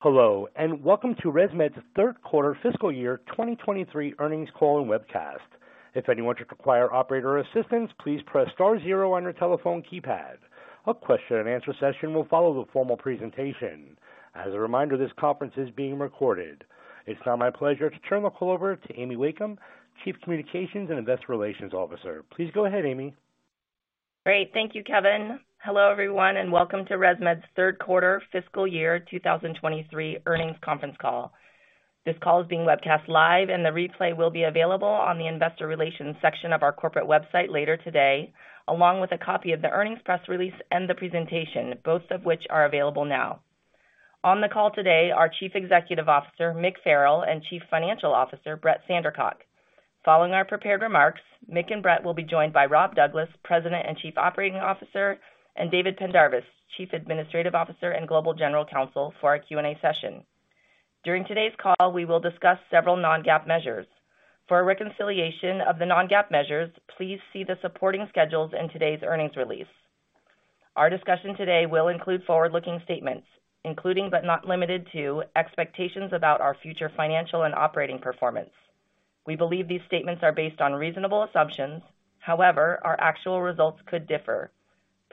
Hello, and welcome to ResMed's third quarter fiscal year 2023 earnings call and webcast. If anyone should require operator assistance, please press star zero on your telephone keypad. A question and answer session will follow the formal presentation. As a reminder, this conference is being recorded. It's now my pleasure to turn the call over to Amy Wakeham, Chief Communications and Investor Relations Officer. Please go ahead, Amy. Great. Thank you, Kevin. Hello, everyone, and welcome to ResMed's third quarter fiscal year 2023 earnings conference call. This call is being webcast live and the replay will be available on the investor relations section of our corporate website later today, along with a copy of the earnings press release and the presentation, both of which are available now. On the call today, our Chief Executive Officer, Mick Farrell, and Chief Financial Officer, Brett Sandercock. Following our prepared remarks, Mick and Brett will be joined by Rob Douglas, President and Chief Operating Officer, and David Pendarvis, Chief Administrative Officer and Global General Counsel for our Q&A session. During today's call, we will discuss several non-GAAP measures. For a reconciliation of the non-GAAP measures, please see the supporting schedules in today's earnings release. Our discussion today will include forward-looking statements, including, but not limited to, expectations about our future financial and operating performance. We believe these statements are based on reasonable assumptions. However, our actual results could differ.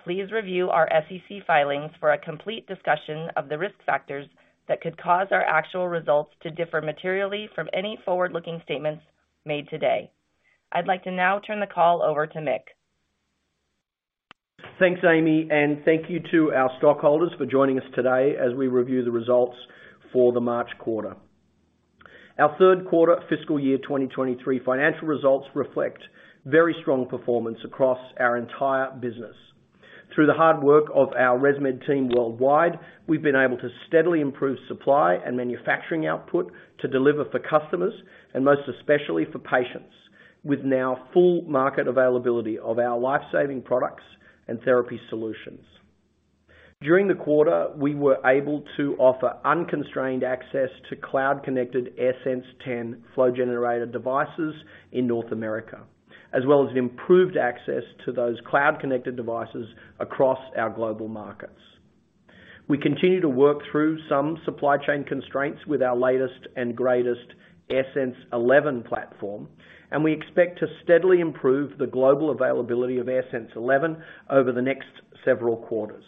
Please review our SEC filings for a complete discussion of the risk factors that could cause our actual results to differ materially from any forward-looking statements made today. I'd like to now turn the call over to Mick. Thanks, Amy, thank you to our stockholders for joining us today as we review the results for the March quarter. Our third quarter fiscal year 2023 financial results reflect very strong performance across our entire business. Through the hard work of our ResMed team worldwide, we've been able to steadily improve supply and manufacturing output to deliver for customers, and most especially for patients, with now full market availability of our life-saving products and therapy solutions. During the quarter, we were able to offer unconstrained access to cloud-connected AirSense 10 flow generator devices in North America, as well as improved access to those cloud-connected devices across our global markets. We continue to work through some supply chain constraints with our latest and greatest AirSense 11 platform, and we expect to steadily improve the global availability of AirSense 11 over the next several quarters.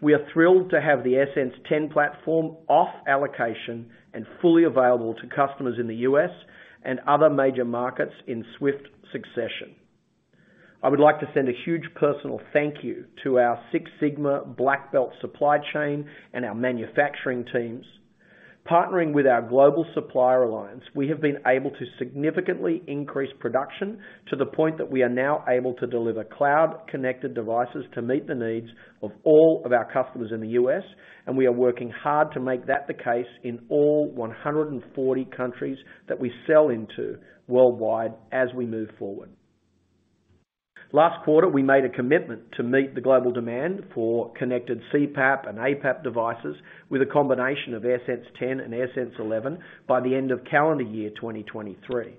We are thrilled to have the AirSense 10 platform off allocation and fully available to customers in the U.S. and other major markets in swift succession. I would like to send a huge personal thank you to our Six Sigma Black Belt supply chain and our manufacturing teams. Partnering with our global supplier alliance, we have been able to significantly increase production to the point that we are now able to deliver cloud-connected devices to meet the needs of all of our customers in the U.S., and we are working hard to make that the case in all 140 countries that we sell into worldwide as we move forward. Last quarter, we made a commitment to meet the global demand for connected CPAP and APAP devices with a combination of AirSense 10 and AirSense 11 by the end of calendar year 2023.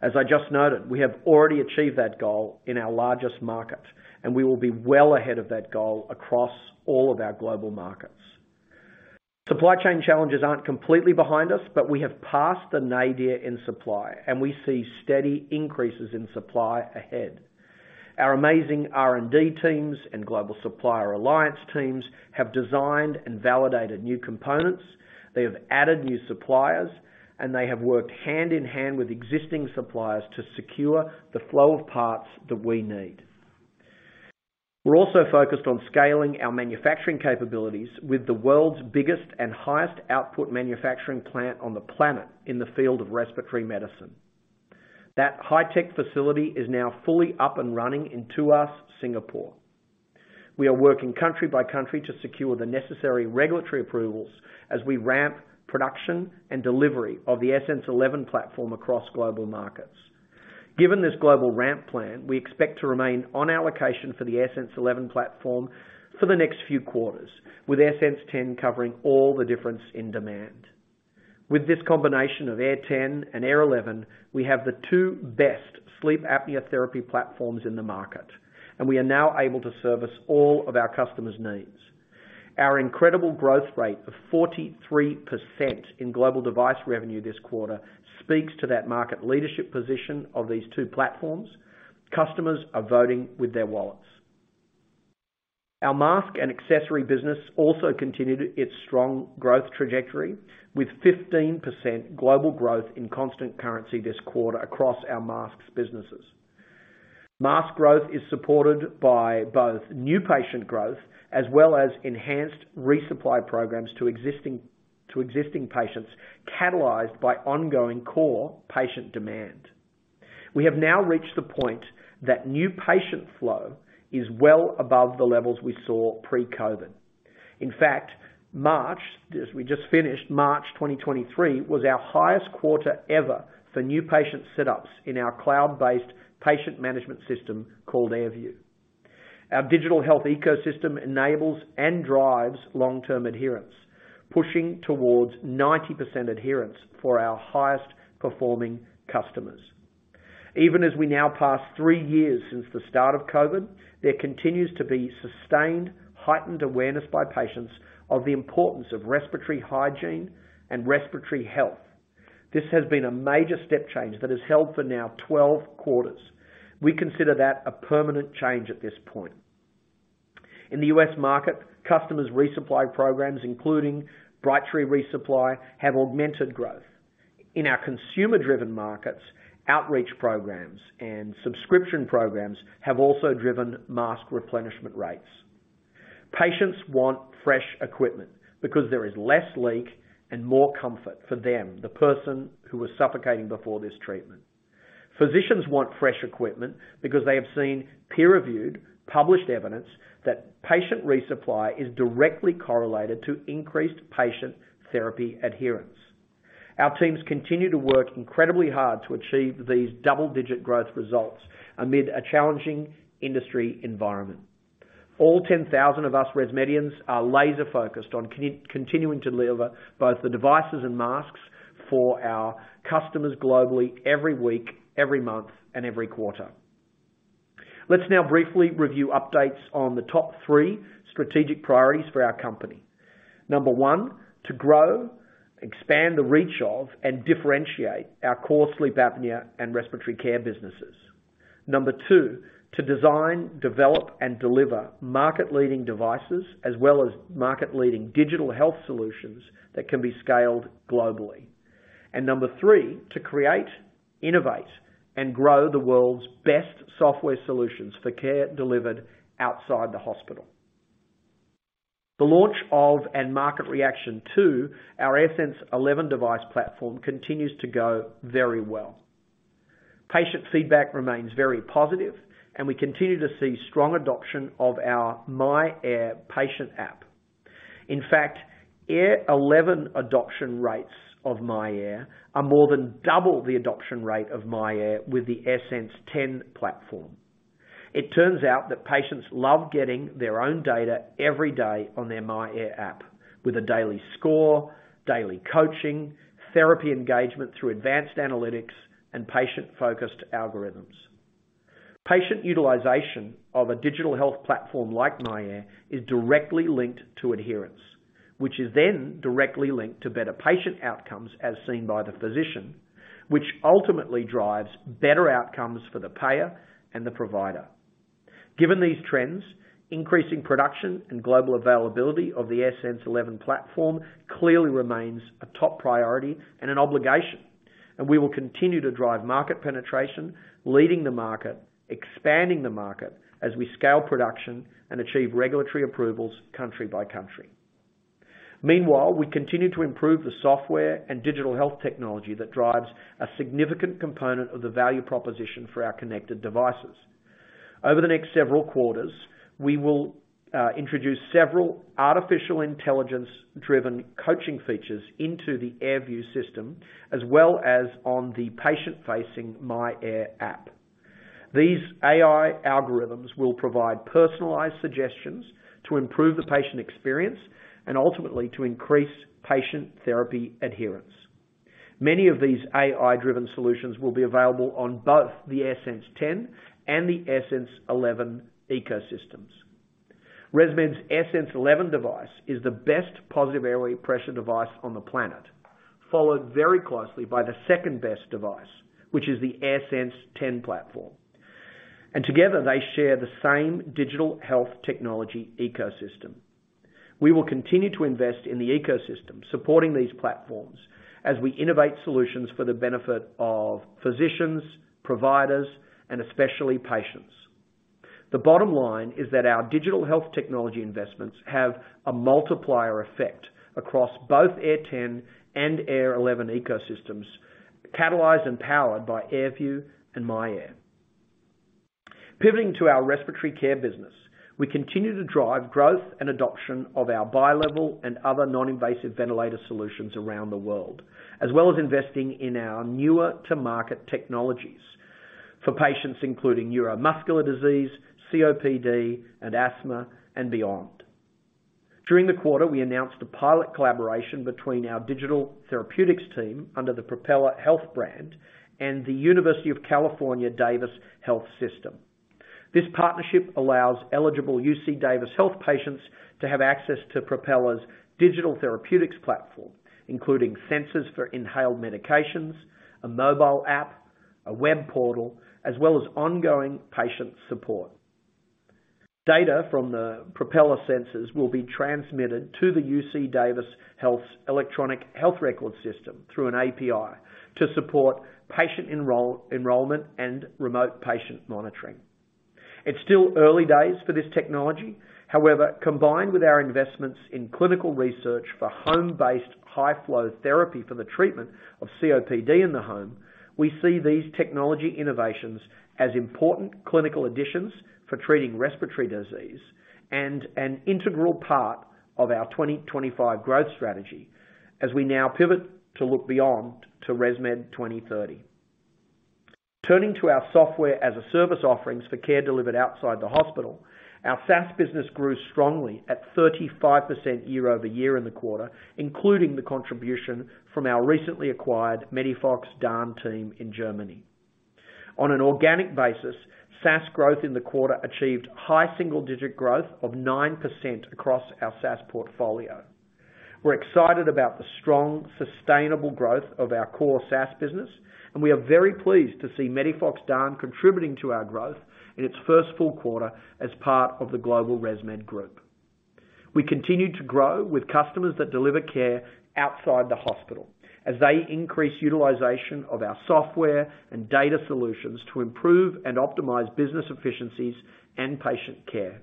As I just noted, we have already achieved that goal in our largest market. We will be well ahead of that goal across all of our global markets. Supply chain challenges aren't completely behind us. We have passed the nadir in supply. We see steady increases in supply ahead. Our amazing R&D teams and global supplier alliance teams have designed and validated new components. They have added new suppliers. They have worked hand in hand with existing suppliers to secure the flow of parts that we need. We're also focused on scaling our manufacturing capabilities with the world's biggest and highest output manufacturing plant on the planet in the field of respiratory medicine. That high-tech facility is now fully up and running in Tuas, Singapore. We are working country by country to secure the necessary regulatory approvals as we ramp production and delivery of the AirSense 11 platform across global markets. Given this global ramp plan, we expect to remain on allocation for the AirSense 11 platform for the next few quarters, with AirSense 10 covering all the difference in demand. With this combination of Air 10 and Air 11, we have the two best sleep apnea therapy platforms in the market, and we are now able to service all of our customers' needs. Our incredible growth rate of 43% in global device revenue this quarter speaks to that market leadership position of these two platforms. Customers are voting with their wallets. Our mask and accessory business also continued its strong growth trajectory with 15% global growth in constant currency this quarter across our masks businesses. Mask growth is supported by both new patient growth as well as enhanced resupply programs to existing patients, catalyzed by ongoing core patient demand. We have now reached the point that new patient flow is well above the levels we saw pre-COVID. In fact, March, as we just finished March 2023, was our highest quarter ever for new patient setups in our cloud-based patient management system called AirView. Our digital health ecosystem enables and drives long-term adherence, pushing towards 90% adherence for our highest performing customers. Even as we now pass 3 years since the start of COVID, there continues to be sustained, heightened awareness by patients of the importance of respiratory hygiene and respiratory health. This has been a major step change that has held for now 12 quarters. We consider that a permanent change at this point. In the U.S. market, customers resupply programs, including Brightree ReSupply, have augmented growth. In our consumer-driven markets, outreach programs and subscription programs have also driven mask replenishment rates. Patients want fresh equipment because there is less leak and more comfort for them, the person who was suffocating before this treatment. Physicians want fresh equipment because they have seen peer-reviewed published evidence that patient resupply is directly correlated to increased patient therapy adherence. Our teams continue to work incredibly hard to achieve these double-digit growth results amid a challenging industry environment. All 10,000 of us ResMedians are laser focused on continuing to deliver both the devices and masks for our customers globally every week, every month, and every quarter. Let's now briefly review updates on the top three strategic priorities for our company. Number 1, to grow, expand the reach of, and differentiate our core sleep apnea and respiratory care businesses. Number 2, to design, develop, and deliver market-leading devices as well as market-leading digital health solutions that can be scaled globally. Number 3, to create, innovate, and grow the world's best software solutions for care delivered outside the hospital. The launch of and market reaction to our AirSense 11 device platform continues to go very well. Patient feedback remains very positive and we continue to see strong adoption of our myAir patient app. In fact, Air 11 adoption rates of myAir are more than double the adoption rate of myAir with the AirSense 10 platform. It turns out that patients love getting their own data every day on their myAir app with a daily score, daily coaching, therapy engagement through advanced analytics, and patient-focused algorithms. Patient utilization of a digital health platform like myAir is directly linked to adherence, which is then directly linked to better patient outcomes as seen by the physician, which ultimately drives better outcomes for the payer and the provider. Given these trends, increasing production and global availability of the AirSense 11 platform clearly remains a top priority and an obligation, and we will continue to drive market penetration, leading the market, expanding the market as we scale production and achieve regulatory approvals country by country. Meanwhile, we continue to improve the software and digital health technology that drives a significant component of the value proposition for our connected devices. Over the next several quarters, we will introduce several artificial intelligence driven coaching features into the AirView system, as well as on the patient-facing myAir app. These AI algorithms will provide personalized suggestions to improve the patient experience and ultimately to increase patient therapy adherence. Many of these AI-driven solutions will be available on both the AirSense 10 and the AirSense 11 ecosystems. ResMed's AirSense 11 device is the best positive airway pressure device on the planet, followed very closely by the second-best device, which is the AirSense 10 platform. Together, they share the same digital health technology ecosystem. We will continue to invest in the ecosystem supporting these platforms as we innovate solutions for the benefit of physicians, providers, and especially patients. The bottom line is that our digital health technology investments have a multiplier effect across both Air 10 and Air 11 ecosystems, catalyzed and powered by AirView and myAir. Pivoting to our respiratory care business, we continue to drive growth and adoption of our bilevel and other non-invasive ventilator solutions around the world, as well as investing in our newer to market technologies for patients including neuromuscular disease, COPD, and asthma, and beyond. During the quarter, we announced a pilot collaboration between our digital therapeutics team under the Propeller Health brand and UC Davis Health. This partnership allows eligible UC Davis Health patients to have access to Propeller's digital therapeutics platform, including sensors for inhaled medications, a mobile app, a web portal, as well as ongoing patient support. Data from the Propeller sensors will be transmitted to the UC Davis Health's electronic health record system through an API to support patient enrollment and remote patient monitoring. It's still early days for this technology. Combined with our investments in clinical research for home-based high-flow therapy for the treatment of COPD in the home, we see these technology innovations as important clinical additions for treating respiratory disease and an integral part of our 2025 growth strategy as we now pivot to look beyond to ResMed 2030. Turning to our software as a service offerings for care delivered outside the hospital, our SaaS business grew strongly at 35% year-over-year in the quarter, including the contribution from our recently acquired MEDIFOX DAN team in Germany. On an organic basis, SaaS growth in the quarter achieved high single-digit growth of 9% across our SaaS portfolio. We're excited about the strong, sustainable growth of our core SaaS business, and we are very pleased to see MEDIFOX DAN contributing to our growth in its first full quarter as part of the global ResMed group. We continue to grow with customers that deliver care outside the hospital as they increase utilization of our software and data solutions to improve and optimize business efficiencies and patient care.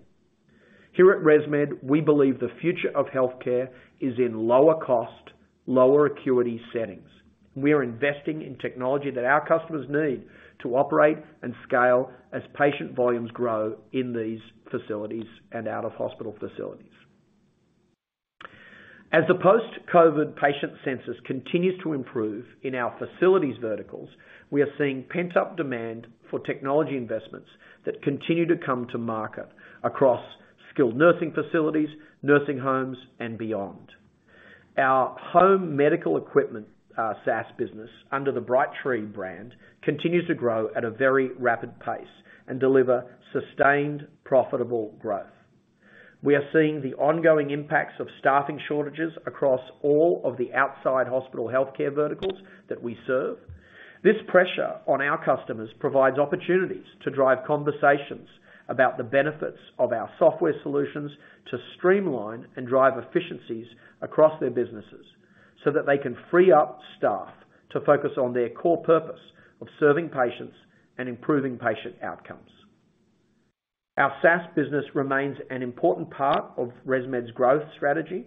Here at ResMed, we believe the future of healthcare is in lower cost, lower acuity settings. We are investing in technology that our customers need to operate and scale as patient volumes grow in these facilities and out of hospital facilities. As the post-COVID patient census continues to improve in our facilities verticals, we are seeing pent-up demand for technology investments that continue to come to market across skilled nursing facilities, nursing homes and beyond. Our home medical equipment, SaaS business under the Brightree brand, continues to grow at a very rapid pace and deliver sustained, profitable growth. We are seeing the ongoing impacts of staffing shortages across all of the outside hospital healthcare verticals that we serve. This pressure on our customers provides opportunities to drive conversations about the benefits of our software solutions, to streamline and drive efficiencies across their businesses so that they can free up staff to focus on their core purpose of serving patients and improving patient outcomes. Our SaaS business remains an important part of ResMed's growth strategy.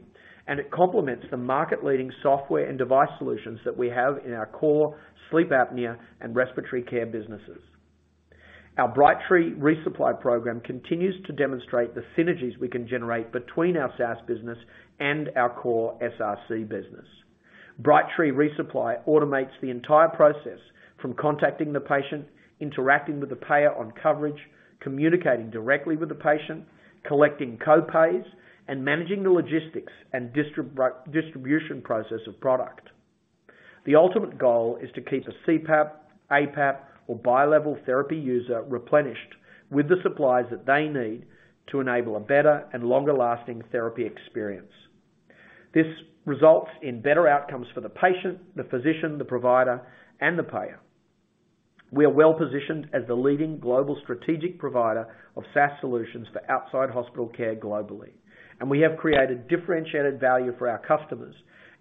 It complements the market-leading software and device solutions that we have in our core sleep apnea and respiratory care businesses. Our Brightree ReSupply program continues to demonstrate the synergies we can generate between our SaaS business and our core SRC business. Brightree ReSupply automates the entire process from contacting the patient, interacting with the payer on coverage, communicating directly with the patient, collecting co-pays, and managing the logistics and distribution process of product. The ultimate goal is to keep a CPAP, APAP or bilevel therapy user replenished with the supplies that they need to enable a better and longer lasting therapy experience. This results in better outcomes for the patient, the physician, the provider, and the payer. We are well positioned as the leading global strategic provider of SaaS solutions for outside hospital care globally. We have created differentiated value for our customers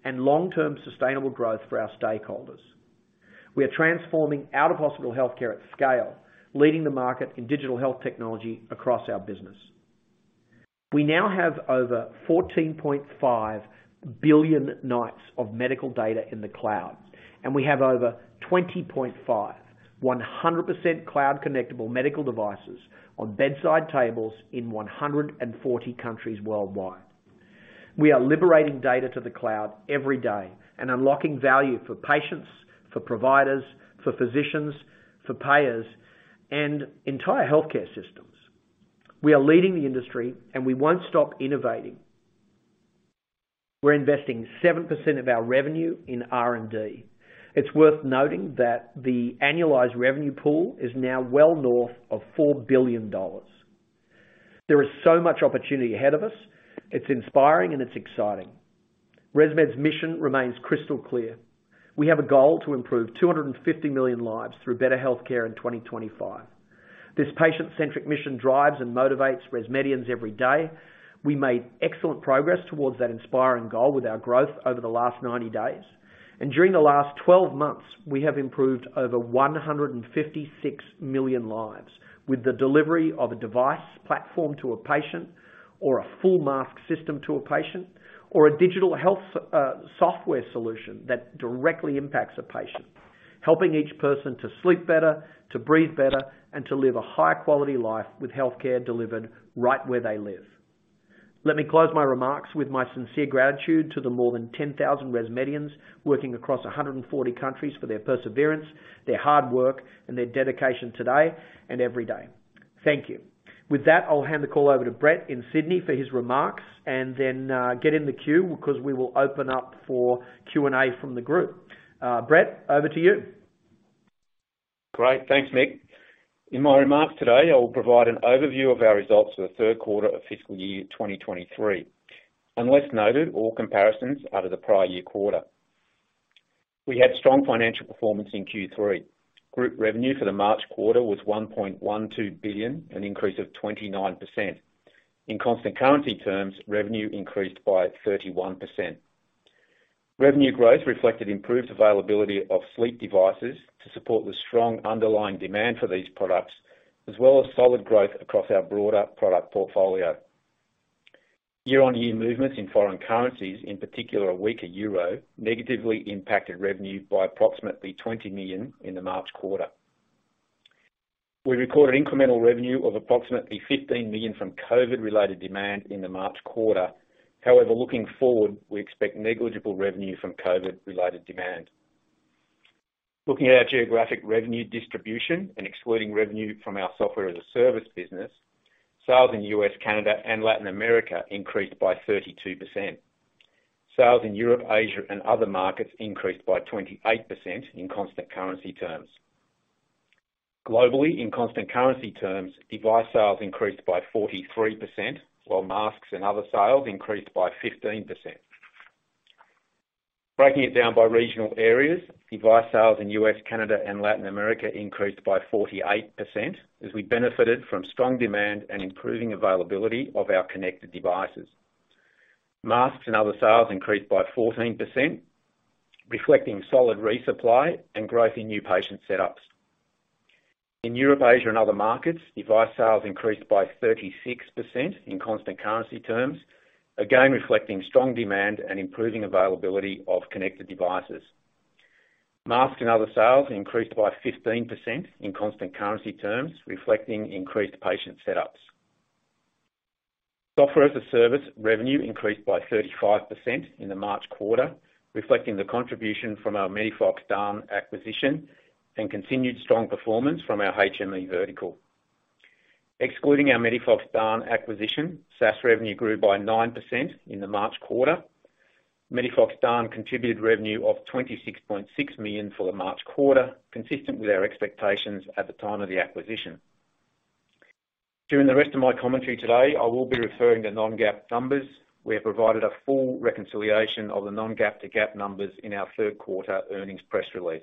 and long-term sustainable growth for our stakeholders. We are transforming out-of-hospital healthcare at scale, leading the market in digital health technology across our business. We now have over 14.5 billion nights of medical data in the cloud. We have over 20.5, 100% cloud connectable medical devices on bedside tables in 140 countries worldwide. We are liberating data to the cloud every day and unlocking value for patients, for providers, for physicians, for payers, and entire healthcare systems. We are leading the industry and we won't stop innovating. We're investing 7% of our revenue in R&D. It's worth noting that the annualized revenue pool is now well north of $4 billion. There is so much opportunity ahead of us. It's inspiring and it's exciting. ResMed's mission remains crystal clear. We have a goal to improve 250 million lives through better health care in 2025. This patient-centric mission drives and motivates ResMedians every day. We made excellent progress towards that inspiring goal with our growth over the last 90 days. During the last 12 months, we have improved over 156 million lives with the delivery of a device platform to a patient or a full mask system to a patient or a digital health software solution that directly impacts a patient. Helping each person to sleep better, to breathe better, and to live a high quality life with healthcare delivered right where they live. Let me close my remarks with my sincere gratitude to the more than 10,000 ResMedians working across 140 countries for their perseverance, their hard work, and their dedication today and every day. Thank you. With that, I'll hand the call over to Brett in Sydney for his remarks and then get in the queue because we will open up for Q&A from the group. Brett, over to you. Great. Thanks, Mick. In my remarks today, I will provide an overview of our results for the third quarter of FY23. Unless noted, all comparisons are to the prior year quarter. We had strong financial performance in Q3. Group revenue for the March quarter was $1.12 billion, an increase of 29%. In constant currency terms, revenue increased by 31%. Revenue growth reflected improved availability of sleep devices to support the strong underlying demand for these products, as well as solid growth across our broader product portfolio. Year-on-year movements in foreign currencies, in particular a weaker EUR, negatively impacted revenue by approximately 20 million in the March quarter. We recorded incremental revenue of approximately $15 million from COVID-related demand in the March quarter. However, looking forward, we expect negligible revenue from COVID-related demand. Looking at our geographic revenue distribution and excluding revenue from our Software-as-a-Service business, sales in U.S., Canada, and Latin America increased by 32%. Sales in Europe, Asia, and other markets increased by 28% in constant currency terms. Globally, in constant currency terms, device sales increased by 43%, while masks and other sales increased by 15%. Breaking it down by regional areas, device sales in U.S., Canada, and Latin America increased by 48% as we benefited from strong demand and improving availability of our connected devices. Masks and other sales increased by 14%, reflecting solid resupply and growth in new patient setups. In Europe, Asia, and other markets, device sales increased by 36% in constant currency terms, again reflecting strong demand and improving availability of connected devices. Masks and other sales increased by 15% in constant currency terms, reflecting increased patient setups. Software-as-a-Service revenue increased by 35% in the March quarter, reflecting the contribution from our MEDIFOX DAN acquisition and continued strong performance from our HME vertical. Excluding our MEDIFOX DAN acquisition, SaaS revenue grew by 9% in the March quarter. MEDIFOX DAN contributed revenue of $26.6 million for the March quarter, consistent with our expectations at the time of the acquisition. During the rest of my commentary today, I will be referring to non-GAAP numbers. We have provided a full reconciliation of the non-GAAP to GAAP numbers in our third quarter earnings press release.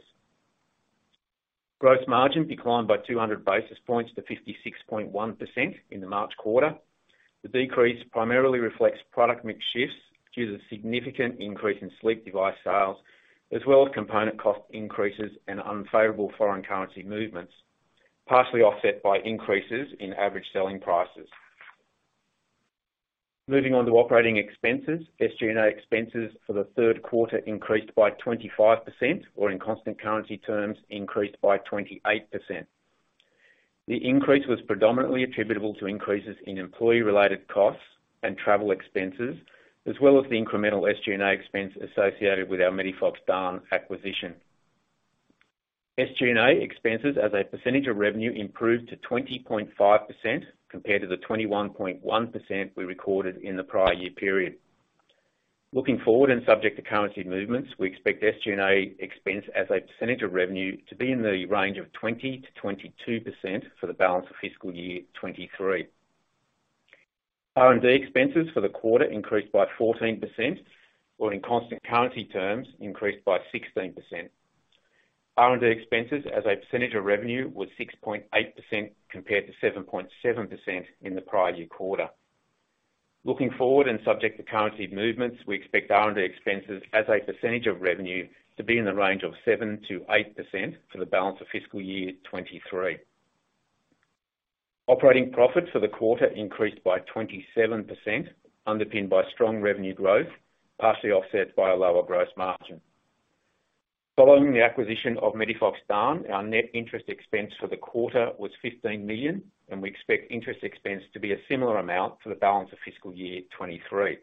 Gross margin declined by 200 basis points to 56.1% in the March quarter. The decrease primarily reflects product mix shifts due to the significant increase in sleep device sales, as well as component cost increases and unfavorable foreign currency movements, partially offset by increases in average selling prices. Moving on to operating expenses. SG&A expenses for the third quarter increased by 25%, or in constant currency terms, increased by 28%. The increase was predominantly attributable to increases in employee-related costs and travel expenses, as well as the incremental SG&A expense associated with our MEDIFOX DAN acquisition. SG&A expenses as a percentage of revenue improved to 20.5% compared to the 21.1% we recorded in the prior year period. Looking forward and subject to currency movements, we expect SG&A expense as a percentage of revenue to be in the range of 20%-22% for the balance of fiscal year twenty-three. R&D expenses for the quarter increased by 14%, or in constant currency terms, increased by 16%. R&D expenses as a percentage of revenue was 6.8% compared to 7.7% in the prior year quarter. Looking forward and subject to currency movements, we expect R&D expenses as a percentage of revenue to be in the range of 7%-8% for the balance of FY23. Operating profits for the quarter increased by 27%, underpinned by strong revenue growth, partially offset by a lower gross margin. Following the acquisition of MEDIFOX DAN, our net interest expense for the quarter was $15 million, and we expect interest expense to be a similar amount for the balance of FY23.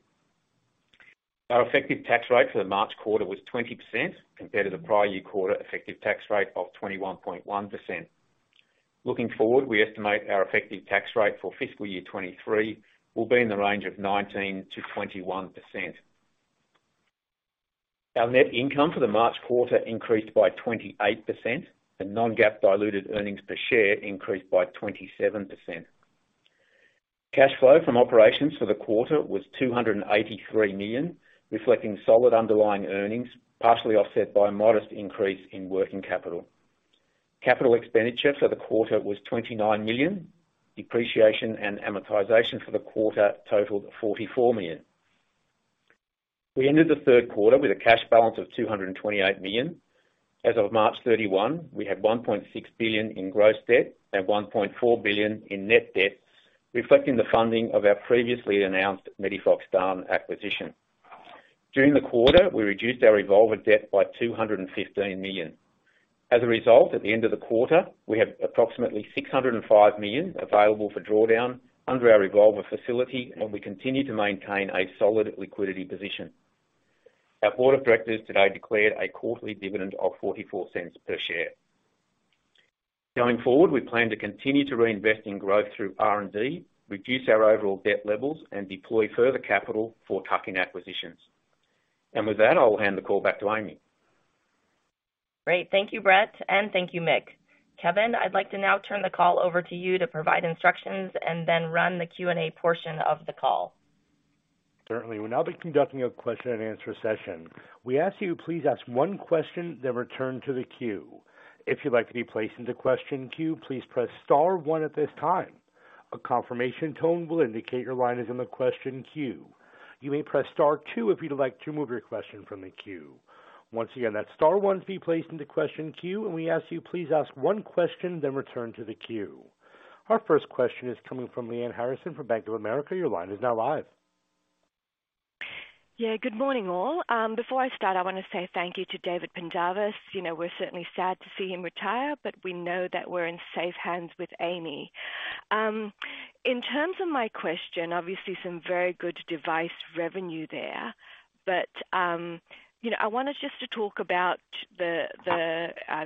Our effective tax rate for the March quarter was 20% compared to the prior year quarter effective tax rate of 21.1%. Looking forward, we estimate our effective tax rate for FY23 will be in the range of 19%-21%. Our net income for the March quarter increased by 28%, and non-GAAP diluted earnings per share increased by 27%. Cash flow from operations for the quarter was $283 million, reflecting solid underlying earnings, partially offset by a modest increase in working capital. CapEx for the quarter was $29 million. Depreciation and amortization for the quarter totaled $44 million. We ended the third quarter with a cash balance of $228 million. As of March 31, we had $1.6 billion in gross debt and $1.4 billion in net debt, reflecting the funding of our previously announced MEDIFOX DAN acquisition. During the quarter, we reduced our revolver debt by $215 million. As a result, at the end of the quarter, we have approximately $605 million available for drawdown under our revolver facility, and we continue to maintain a solid liquidity position. Our board of directors today declared a quarterly dividend of $0.44 per share. Going forward, we plan to continue to reinvest in growth through R&D, reduce our overall debt levels, and deploy further capital for tuck-in acquisitions. With that, I'll hand the call back to Amy. Great. Thank you, Brett, and thank you, Mick. Kevin, I'd like to now turn the call over to you to provide instructions and then run the Q&A portion of the call. Certainly. We'll now be conducting a question and answer session. We ask you please ask 1 question, then return to the queue. If you'd like to be placed into question queue, please press star one at this time. A confirmation tone will indicate your line is in the question queue. You may press star two if you'd like to remove your question from the queue. Once again, that's star one to be placed into question queue, and we ask you please ask one question, then return to the queue. Our first question is coming from Lyanne Harrison from Bank of America. Your line is now live. Yeah. Good morning, all. Before I start, I wanna say thank you to David Pendarvis. You know, we're certainly sad to see him retire, but we know that we're in safe hands with Amy. In terms of my question, obviously some very good device revenue there. You know, I wanted just to talk about the,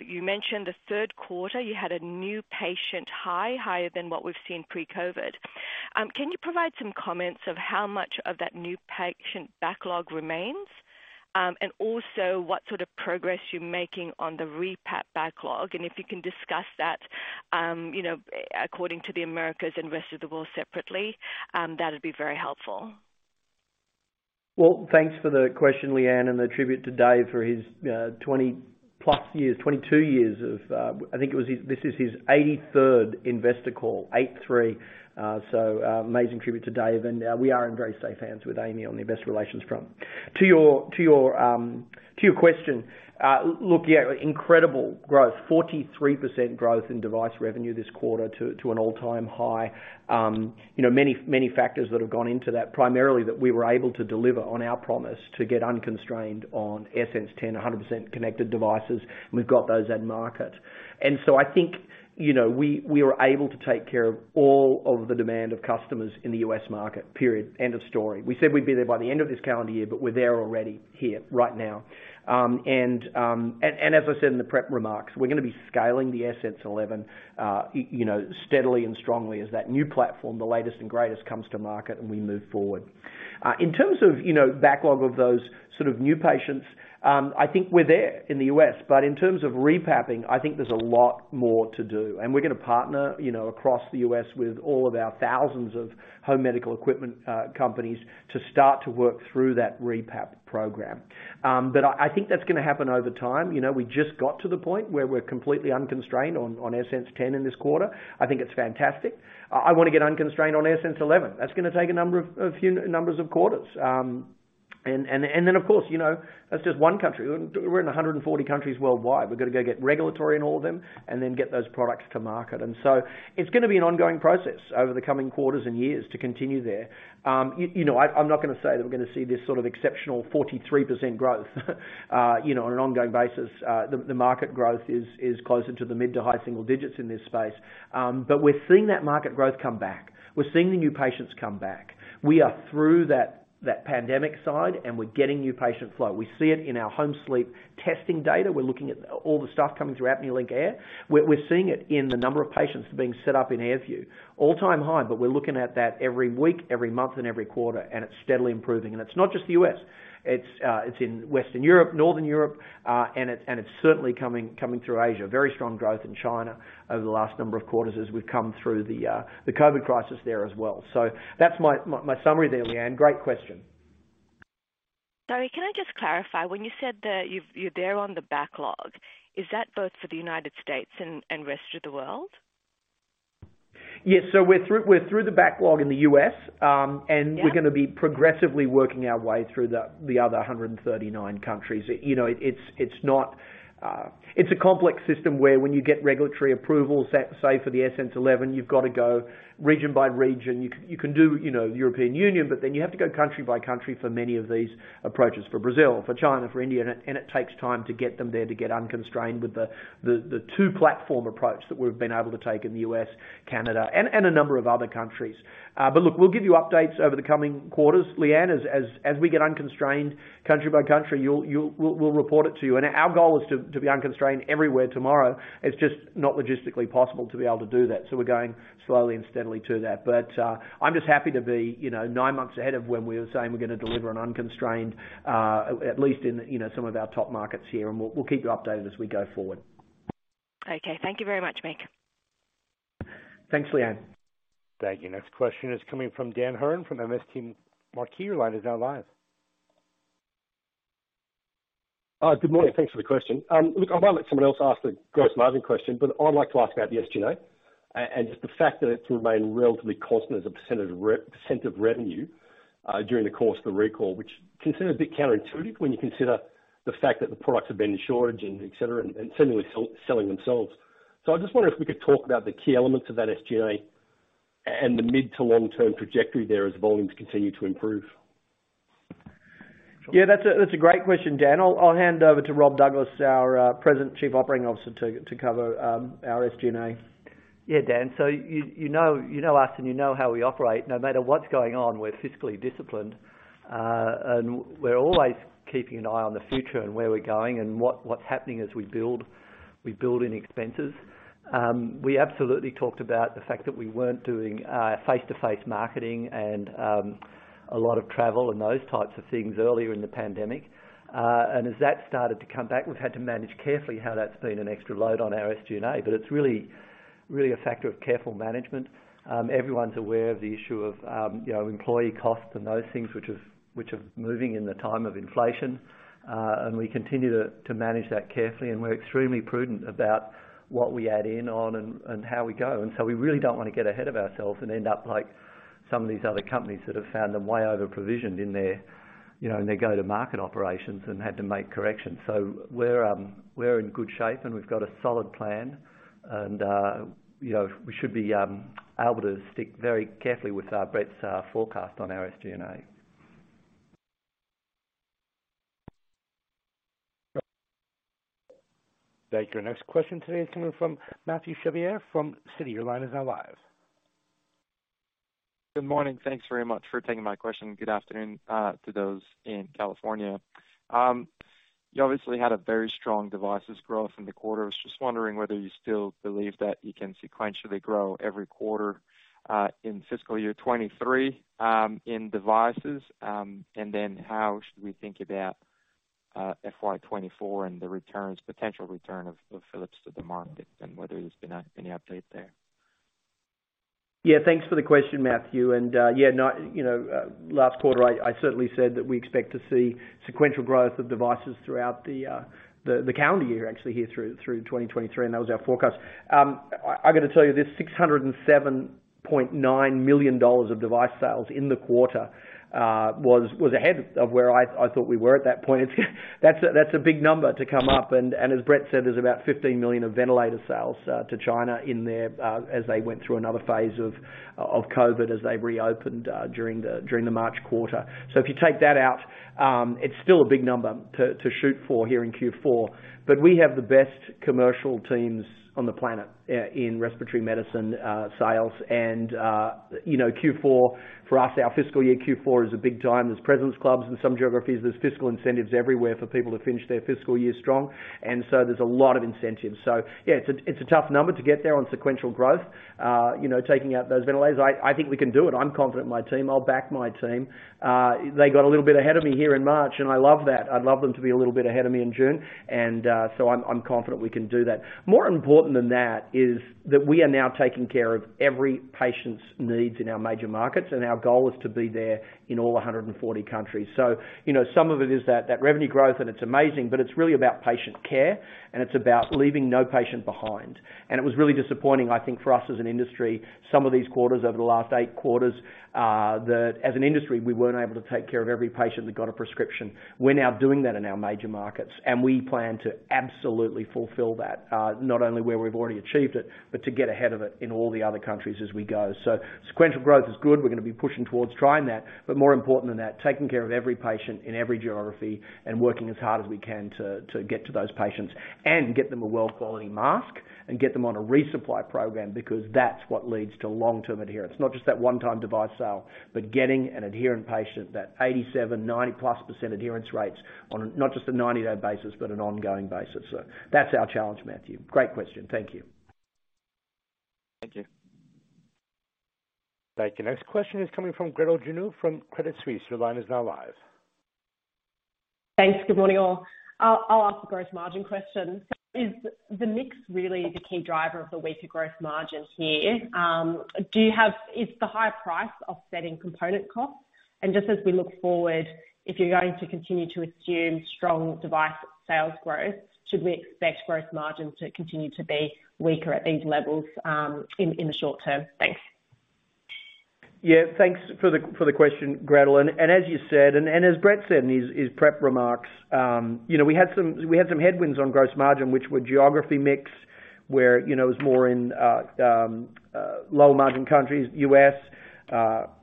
you mentioned the third quarter, you had a new patient high, higher than what we've seen pre-COVID. Can you provide some comments of how much of that new patient backlog remains? Also what sort of progress you're making on the repap backlog, and if you can discuss that, you know, according to the Americas and rest of the world separately, that'd be very helpful. Well, thanks for the question, Lyanne, and the tribute to Dave for his 20+ years, 22 years of. This is his 83rd investor call. 83, amazing tribute to Dave, we are in very safe hands with Amy on the investor relations front. To your question, look, yeah, incredible growth. 43% growth in device revenue this quarter to an all-time high. You know, many, many factors that have gone into that, primarily that we were able to deliver on our promise to get unconstrained on AirSense 10, 100% connected devices. We've got those in market. I think, you know, we are able to take care of all of the demand of customers in the U.S. market, period. End of story. We said we'd be there by the end of this calendar year, but we're there already here right now. As I said in the prep remarks, we're gonna be scaling the AirSense 11, you know, steadily and strongly as that new platform, the latest and greatest, comes to market and we move forward. In terms of, you know, backlog of those sort of new patients, I think we're there in the U.S. In terms of repaping, I think there's a lot more to do. We're gonna partner, you know, across the U.S. with all of our thousands of home medical equipment companies to start to work through that repap program. I think that's gonna happen over time. You know, we just got to the point where we're completely unconstrained on AirSense 10 in this quarter. I think it's fantastic. I wanna get unconstrained on AirSense 11. That's gonna take a number of quarters. Then, of course, you know, that's just one country. We're in 140 countries worldwide. We've gotta go get regulatory in all of them and then get those products to market. It's gonna be an ongoing process over the coming quarters and years to continue there. You know, I'm not gonna say that we're gonna see this sort of exceptional 43% growth, you know, on an ongoing basis. The market growth is closer to the mid to high single digits in this space. But we're seeing that market growth come back. We're seeing the new patients come back. We are through that pandemic side, and we're getting new patient flow. We see it in our home sleep testing data. We're looking at all the stuff coming through ApneaLink Air. We're seeing it in the number of patients being set up in AirView. All-time high, but we're looking at that every week, every month, and every quarter, and it's steadily improving. It's not just the U.S. It's in Western Europe, Northern Europe, and it's certainly coming through Asia. Very strong growth in China over the last number of quarters as we've come through the COVID crisis there as well. That's my summary there, Lyanne. Great question. Sorry, can I just clarify? When you said that you're there on the backlog, is that both for the United States and rest of the world? Yes. We're through the backlog in the U.S. Yeah and we're gonna be progressively working our way through the other 139 countries. You know, it's not. It's a complex system where when you get regulatory approval, say for the AirSense 11, you've gotta go region by region. You can do, you know, European Union, but then you have to go country by country for many of these approaches, for Brazil, for China, for India, and it takes time to get them there to get unconstrained with the 2-platform approach that we've been able to take in the U.S., Canada, and a number of other countries. But look, we'll give you updates over the coming quarters, Lyanne. As we get unconstrained country by country, we'll report it to you. Our goal is to be unconstrained everywhere tomorrow. It's just not logistically possible to be able to do that, so we're going slowly and steadily to that. I'm just happy to be, you know, 9 months ahead of when we were saying we're gonna deliver an unconstrained, at least in, you know, some of our top markets here, and we'll keep you updated as we go forward. Okay. Thank you very much, Mick. Thanks, Leanne. Thank you. Next question is coming from Dan Hurren from MST Marquee. Your line is now live. Good morning. Thanks for the question. Look, I'll let someone else ask the gross margin question, but I'd like to ask about the SG&A and just the fact that it's remained relatively constant as a percentage of percent of revenue during the course of the recall, which considered a bit counterintuitive when you consider the fact that the products have been in shortage and et cetera, and seemingly selling themselves. I just wonder if we could talk about the key elements of that SG&A and the mid to long-term trajectory there as volumes continue to improve. Yeah, that's a great question, Dan. I'll hand over to Rob Douglas, our President and Chief Operating Officer, to cover our SG&A. Yeah, Dan. You know, you know us, and you know how we operate. No matter what's going on, we're fiscally disciplined, and we're always keeping an eye on the future and where we're going and what's happening as we build in expenses. We absolutely talked about the fact that we weren't doing face-to-face marketing and a lot of travel and those types of things earlier in the pandemic. As that started to come back, we've had to manage carefully how that's been an extra load on our SG&A. It's really a factor of careful management. Everyone's aware of the issue of, you know, employee costs and those things which is moving in the time of inflation, and we continue to manage that carefully. We're extremely prudent about what we add in on and how we go. We really don't wanna get ahead of ourselves and end up like some of these other companies that have found them way over-provisioned in their, you know, in their go-to-market operations and had to make corrections. We're, we're in good shape, and we've got a solid plan. You know, we should be able to stick very carefully with our, Brett's, forecast on our SG&A. Thank you. Next question today is coming from Mathieu Chevrier from Citi. Your line is now live. Good morning. Thanks very much for taking my question. Good afternoon, to those in California. You obviously had a very strong devices growth in the quarter. I was just wondering whether you still believe that you can sequentially grow every quarter in fiscal year 23 in devices. How should we think about FY24 and the returns, potential return of Philips to the market, and whether there's been any update there? know, last quarter, I certainly said that we expect to see sequential growth of devices throughout the calendar year, actually, here through 2023, and that was our forecast. I've got to tell you this, $607.9 million of device sales in the quarter was ahead of where I thought we were at that point. That's a big number to come up and as Brett said, there's about $15 million of ventilator sales to China in there as they went through another phase of COVID as they reopened during the March quarter. If you take that out, it's still a big number to shoot for here in Q4. We have the best commercial teams on the planet in respiratory medicine sales. You know, Q4 for us, our fiscal year Q4 is a big time. There's presidents clubs in some geographies. There's fiscal incentives everywhere for people to finish their fiscal year strong. There's a lot of incentives. Yeah, it's a tough number to get there on sequential growth. You know, taking out those ventilators. I think we can do it. I'm confident in my team. I'll back my team. They got a little bit ahead of me here in March, and I love that. I'd love them to be a little bit ahead of me in June. So I'm confident we can do that. More important than that is that we are now taking care of every patient's needs in our major markets, and our goal is to be there in all 140 countries. You know, some of it is that revenue growth, and it's amazing, but it's really about patient care, and it's about leaving no patient behind. It was really disappointing, I think, for us as an industry, some of these quarters over the last 8 quarters, that as an industry, we weren't able to take care of every patient that got a prescription. We're now doing that in our major markets, and we plan to absolutely fulfill that, not only where we've already achieved it, but to get ahead of it in all the other countries as we go. Sequential growth is good. We're gonna be pushing towards trying that. More important than that, taking care of every patient in every geography and working as hard as we can to get to those patients and get them a well-quality mask and get them on a resupply program, because that's what leads to long-term adherence, not just that one-time device sale, but getting an adherent patient, that 87, 90+% adherence rates on not just a 90-day basis, but an ongoing basis. That's our challenge, Mathieu. Great question. Thank you. Thank you. Thank you. Next question is coming from Gretel Janu from Credit Suisse. Your line is now live. Thanks. Good morning, all. I'll ask the gross margin question. Is the mix really the key driver of the weaker gross margin here? Is the high price offsetting component costs? Just as we look forward, if you're going to continue to assume strong device sales growth, should we expect gross margin to continue to be weaker at these levels, in the short term? Thanks. Yeah. Thanks for the question, Gretel. As you said and, as Brett said in his prep remarks, you know, we had some headwinds on gross margin, which were geography mix, where, you know, it was more in low margin countries, US,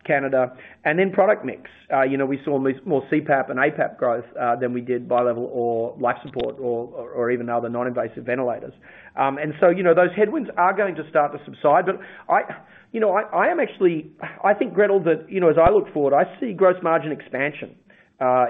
Canada, and then product mix. You know, we saw more CPAP and APAP growth than we did bilevel or life support or even other non-invasive ventilators. So, you know, those headwinds are going to start to subside. I, you know, I am actually, I think, Gretel, that, you know, as I look forward, I see gross margin expansion,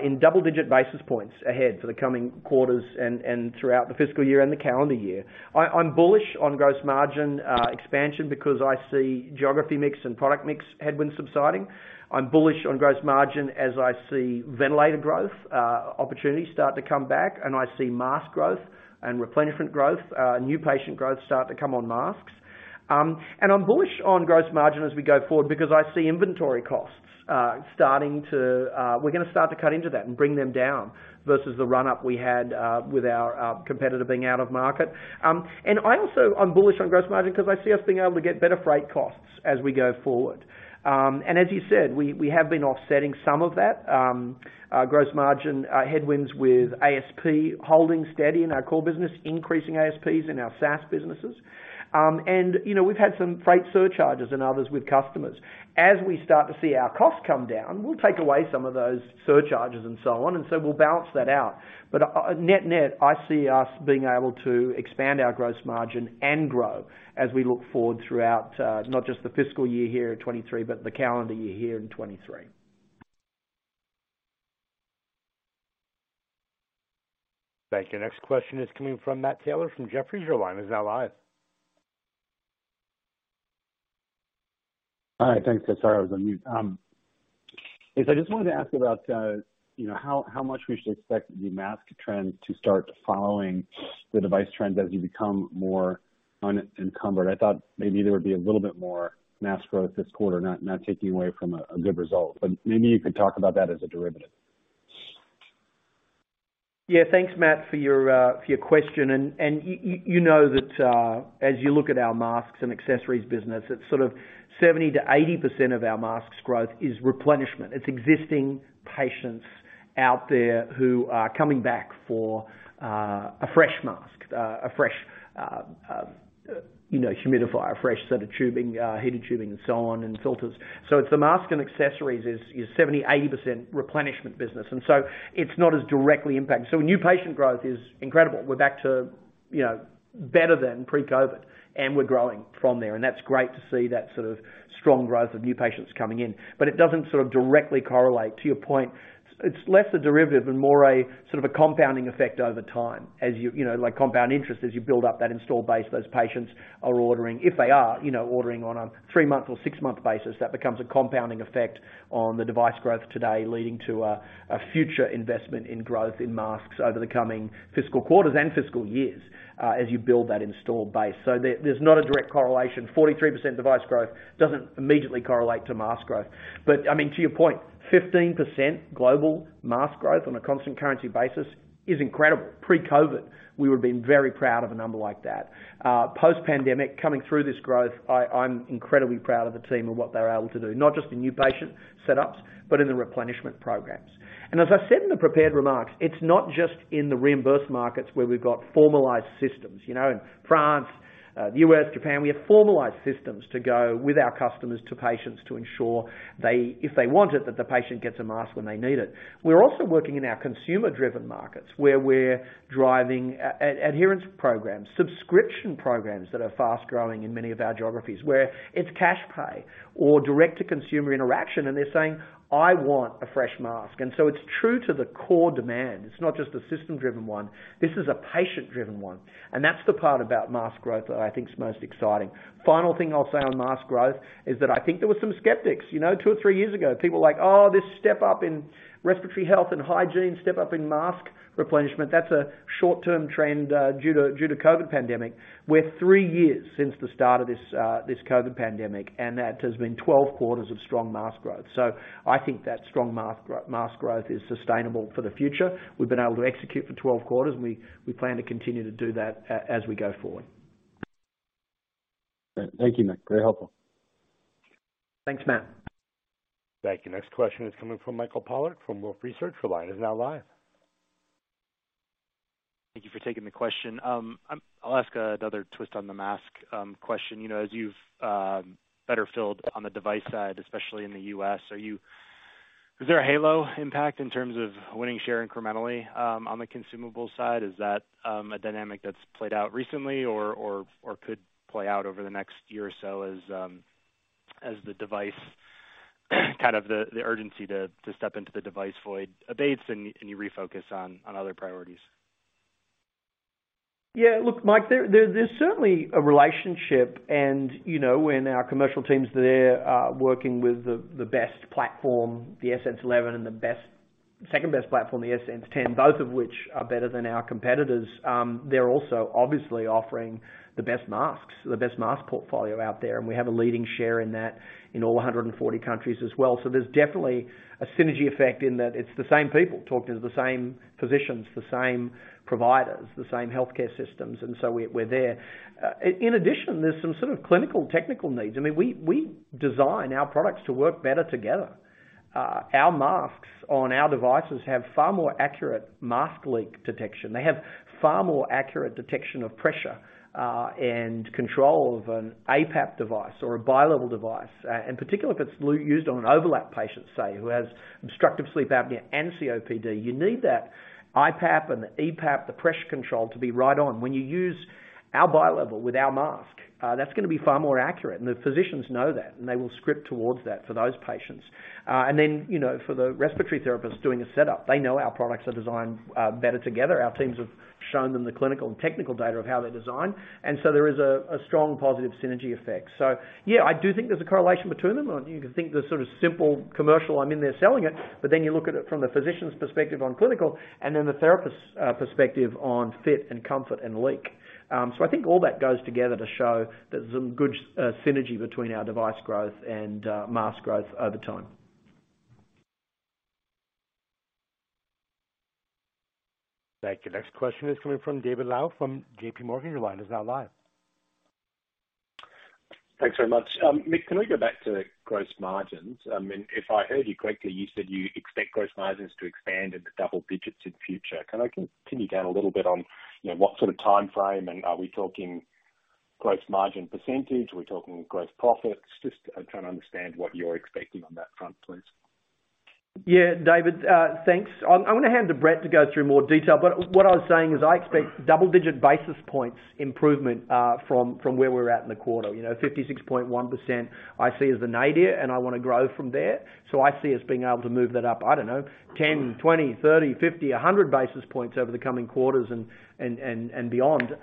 in double-digit basis points ahead for the coming quarters and throughout the fiscal year and the calendar year. I'm bullish on gross margin expansion because I see geography mix and product mix headwinds subsiding. I'm bullish on gross margin as I see ventilator growth opportunities start to come back, and I see mask growth and replenishment growth, new patient growth start to come on masks. I'm bullish on gross margin as we go forward because I see inventory costs. We're gonna start to cut into that and bring them down versus the run-up we had with our competitor being out of market. I also am bullish on gross margin because I see us being able to get better freight costs as we go forward. As you said, we have been offsetting some of that gross margin headwinds with ASP holding steady in our core business, increasing ASPs in our SaaS businesses. You know, we've had some freight surcharges and others with customers. As we start to see our costs come down, we'll take away some of those surcharges and so on, and so we'll balance that out. Net-net, I see us being able to expand our gross margin and grow as we look forward throughout, not just the fiscal year here in 2023, but the calendar year here in 2023. Thank you. Next question is coming from Matt Taylor from Jefferies. Your line is now live. Hi. Thanks. Sorry, I was on mute. Yes, I just wanted to ask about, you know, how much we should expect the mask trend to start following the device trend as you become more unencumbered. I thought maybe there would be a little bit more mask growth this quarter, not taking away from a good result. Maybe you could talk about that as a derivative. Yeah. Thanks, Matt, for your for your question. You know that as you look at our masks and accessories business, it's sort of 70%-80% of our masks growth is replenishment. It's existing patients out there who are coming back for a fresh mask, a fresh, you know, humidifier, a fresh set of tubing, heated tubing and so on, and filters. It's the mask and accessories is 70%, 80% replenishment business, and so it's not as directly impacted. New patient growth is incredible. We're back to, you know, better than pre-COVID, and we're growing from there, and that's great to see that sort of strong growth of new patients coming in. It doesn't sort of directly correlate. To your point, it's less a derivative and more a sort of a compounding effect over time. You know, like compound interest, as you build up that installed base, those patients are ordering. If they are, you know, ordering on a 3-month or 6-month basis, that becomes a compounding effect on the device growth today, leading to a future investment in growth in masks over the coming fiscal quarters and fiscal years, as you build that installed base. There's not a direct correlation. 43% device growth doesn't immediately correlate to mask growth. I mean, to your point, 15% global mask growth on a constant currency basis is incredible. Pre-COVID, we would have been very proud of a number like that. Post-pandemic, coming through this growth, I'm incredibly proud of the team and what they're able to do, not just in new patient setups, but in the replenishment programs. As I said in the prepared remarks, it's not just in the reimbursed markets where we've got formalized systems. You know, in France, the U.S., Japan, we have formalized systems to go with our customers to patients to ensure they, if they want it, that the patient gets a mask when they need it. We're also working in our consumer-driven markets, where we're driving adherence programs, subscription programs that are fast growing in many of our geographies, where it's cash pay or direct-to-consumer interaction, and they're saying, "I want a fresh mask." It's true to the core demand. It's not just a system-driven one. This is a patient-driven one. That's the part about mask growth that I think is most exciting. Final thing I'll say on mask growth is that I think there were some skeptics. You know, two or three years ago, people were like, "Oh, this step up in respiratory health and hygiene, step up in mask replenishment, that's a short-term trend, due to COVID pandemic." We're three years since the start of this COVID pandemic, and that has been 12 quarters of strong mask growth. I think that strong mask growth is sustainable for the future. We've been able to execute for 12 quarters, and we plan to continue to do that as we go forward. Thank you, Mick. Very helpful. Thanks, Matt. Thank you. Next question is coming from Mike Polark from Wolfe Research. Your line is now live. Thank you for taking the question. I'll ask another twist on the mask question. You know, as you've better filled on the device side, especially in the U.S., Is there a halo impact in terms of winning share incrementally on the consumable side? Is that a dynamic that's played out recently or could play out over the next year or so as the device, the urgency to step into the device void abates and you refocus on other priorities? Yeah. Look, Mike, there's certainly a relationship and, you know, when our commercial team's there, working with the best platform, the AS11, and the best, second-best platform, the AS10, both of which are better than our competitors, they're also obviously offering the best masks, the best mask portfolio out there, and we have a leading share in that in all 140 countries as well. There's definitely a synergy effect in that it's the same people talking to the same physicians, the same providers, the same healthcare systems, we're there. In addition, there's some sort of clinical technical needs. I mean, we design our products to work better together. Our masks on our devices have far more accurate mask leak detection. They have far more accurate detection of pressure, and control of an APAP device or a bilevel device, and particularly if it's used on an overlap patient, say, who has obstructive sleep apnea and COPD. You need that IPAP and EPAP, the pressure control, to be right on. When you use our bilevel with our mask, that's gonna be far more accurate, and the physicians know that, and they will script towards that for those patients. Then, you know, for the respiratory therapist doing a setup, they know our products are designed better together. Our teams have shown them the clinical and technical data of how they're designed. There is a strong positive synergy effect. Yeah, I do think there's a correlation between them. You can think the sort of simple commercial, I'm in there selling it, but then you look at it from the physician's perspective on clinical and then the therapist's perspective on fit and comfort and leak. I think all that goes together to show there's some good synergy between our device growth and mask growth over time. Thank you. Next question is coming from David Low from JPMorgan. Your line is now live. Thanks very much. Mick, can we go back to gross margins? I mean, if I heard you correctly, you said you expect gross margins to expand in the double digits in future. Can I pin you down a little bit on, you know, what sort of timeframe, and are we talking gross margin percentage? Are we talking gross profits? Just I'm trying to understand what you're expecting on that front, please. David, thanks. I'm gonna hand to Brett to go through more detail, but what I was saying is I expect double-digit basis points improvement from where we're at in the quarter. You know, 56.1% I see as the nadir, and I wanna grow from there. I see us being able to move that up, I don't know, 10, 20, 30, 50, 100 basis points over the coming quarters and beyond.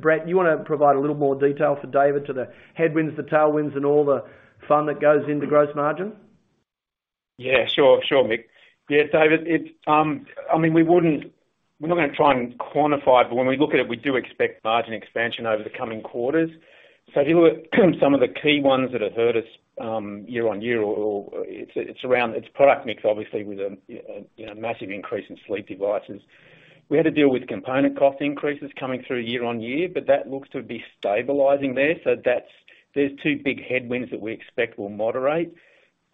Brett, you wanna provide a little more detail for David to the headwinds, the tailwinds, and all the fun that goes into gross margin? Sure, Mick. David, it's, I mean, we're not gonna try and quantify it, but when we look at it, we do expect margin expansion over the coming quarters. If you look at some of the key ones that have hurt us, year on year or it's around product mix, obviously, with a, you know, massive increase in sleep devices. We had to deal with component cost increases coming through year on year, but that looks to be stabilizing there. That's there's two big headwinds that we expect will moderate.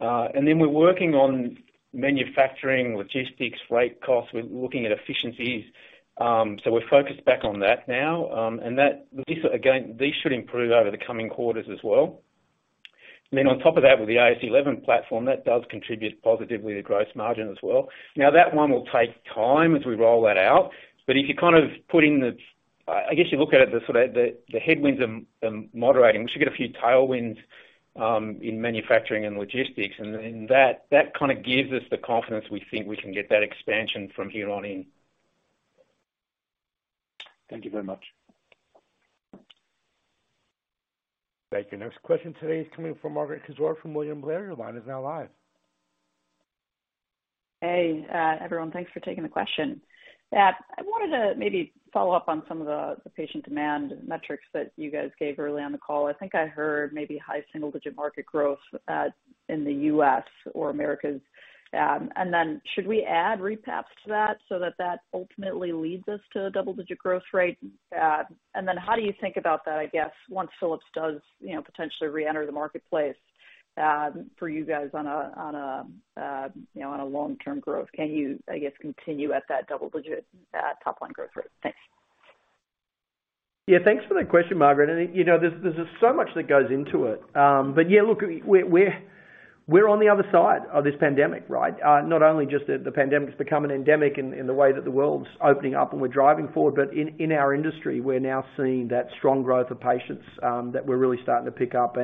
Then we're working on manufacturing, logistics, freight costs. We're looking at efficiencies, so we're focused back on that now, and these are, again, these should improve over the coming quarters as well. On top of that, with the AirSense 11 platform, that does contribute positively to gross margin as well. That one will take time as we roll that out, if you kind of put in the... I guess you look at it, the sort of the headwinds are moderating. We should get a few tailwinds in manufacturing and logistics. That kind of gives us the confidence we think we can get that expansion from here on in. Thank you very much. Thank you. Next question today is coming from Margaret Kaczor from William Blair. Your line is now live. Hey, everyone. Thanks for taking the question. Matt, I wanted to maybe follow up on some of the patient demand metrics that you guys gave early on the call. I think I heard maybe high single-digit market growth in the U.S. or Americas. Should we add Repaps to that so that that ultimately leads us to a double-digit growth rate? How do you think about that, I guess, once Philips does, you know, potentially reenter the marketplace, for you guys on a, on a, you know, on a long-term growth? Can you, I guess, continue at that double-digit top-line growth rate? Thanks. Yeah, thanks for that question, Margaret. You know, there's so much that goes into it. Yeah, look, we're on the other side of this pandemic, right? Not only just the pandemic's become an endemic in the way that the world's opening up and we're driving forward, but in our industry, we're now seeing that strong growth of patients that we're really starting to pick up.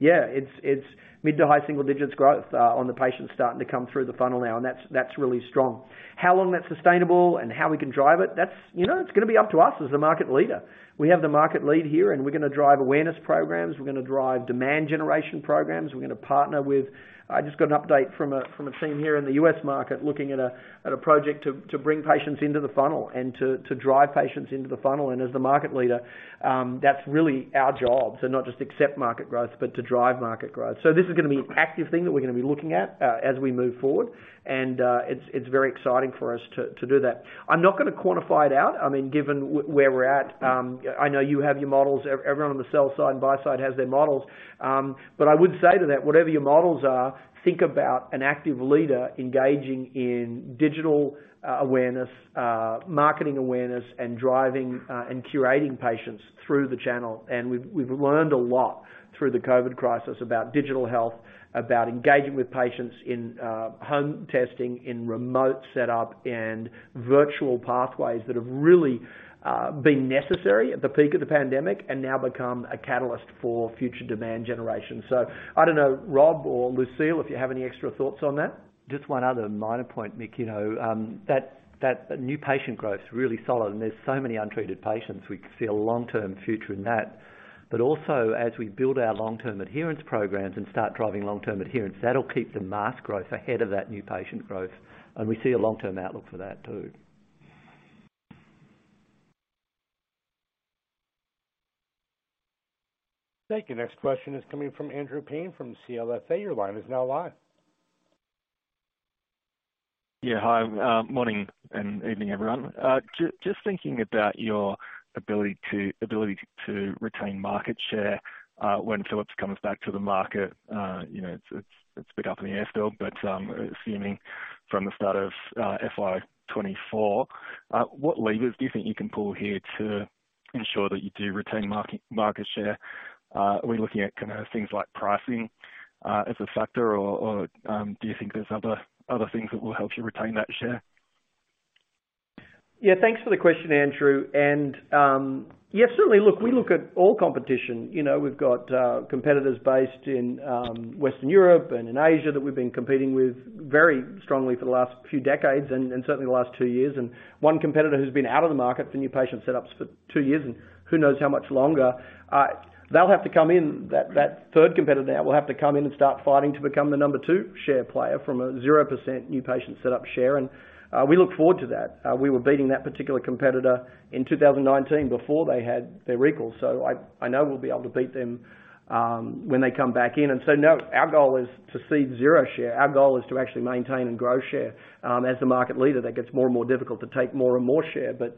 Yeah, it's mid to high single-digit growth on the patients starting to come through the funnel now, and that's really strong. How long that's sustainable and how we can drive it, that's, you know, it's gonna be up to us as the market leader. We have the market lead here. We're gonna drive awareness programs. We're gonna drive demand generation programs. We're gonna partner with... I just got an update from a team here in the U.S. market looking at a, at a project to bring patients into the funnel and to drive patients into the funnel. As the market leader, that's really our job to not just accept market growth, but to drive market growth. This is gonna be an active thing that we're gonna be looking at as we move forward. It's very exciting for us to do that. I'm not gonna quantify it out, I mean, given where we're at. I know you have your models. Everyone on the sell side and buy side has their models. I would say to that, whatever your models are, think about an active leader engaging in digital awareness, marketing awareness, and driving and curating patients through the channel. We've learned a lot through the COVID crisis about digital health, about engaging with patients in home testing, in remote setup, and virtual pathways that have really been necessary at the peak of the pandemic and now become a catalyst for future demand generation. I don't know, Rob or Lucille, if you have any extra thoughts on that. Just one other minor point, Mick, you know, that new patient growth's really solid, and there's so many untreated patients, we could see a long-term future in that. Also, as we build our long-term adherence programs and start driving long-term adherence, that'll keep the mask growth ahead of that new patient growth. We see a long-term outlook for that, too. Thank you. Next question is coming from Andrew Paine from CLSA. Your line is now live. Hi. Morning and evening, everyone. Just thinking about your ability to retain market share, when Philips comes back to the market, you know, it's a bit up in the air still, assuming from the start of FY24, what levers do you think you can pull here to ensure that you do retain market share? Are we looking at kind of things like pricing as a factor or, do you think there's other things that will help you retain that share? Yeah. Thanks for the question, Andrew. Certainly, look, we look at all competition. You know, we've got competitors based in Western Europe and in Asia that we've been competing with very strongly for the last few decades and certainly the last two years. One competitor who's been out of the market for new patient setups for two years and who knows how much longer they'll have to come in. That third competitor now will have to come in and start fighting to become the number two share player from a 0% new patient setup share. We look forward to that. We were beating that particular competitor in 2019 before they had their recall. I know we'll be able to beat them when they come back in. No, our goal is to cede zero share. Our goal is to actually maintain and grow share. As the market leader, that gets more and more difficult to take more and more share, but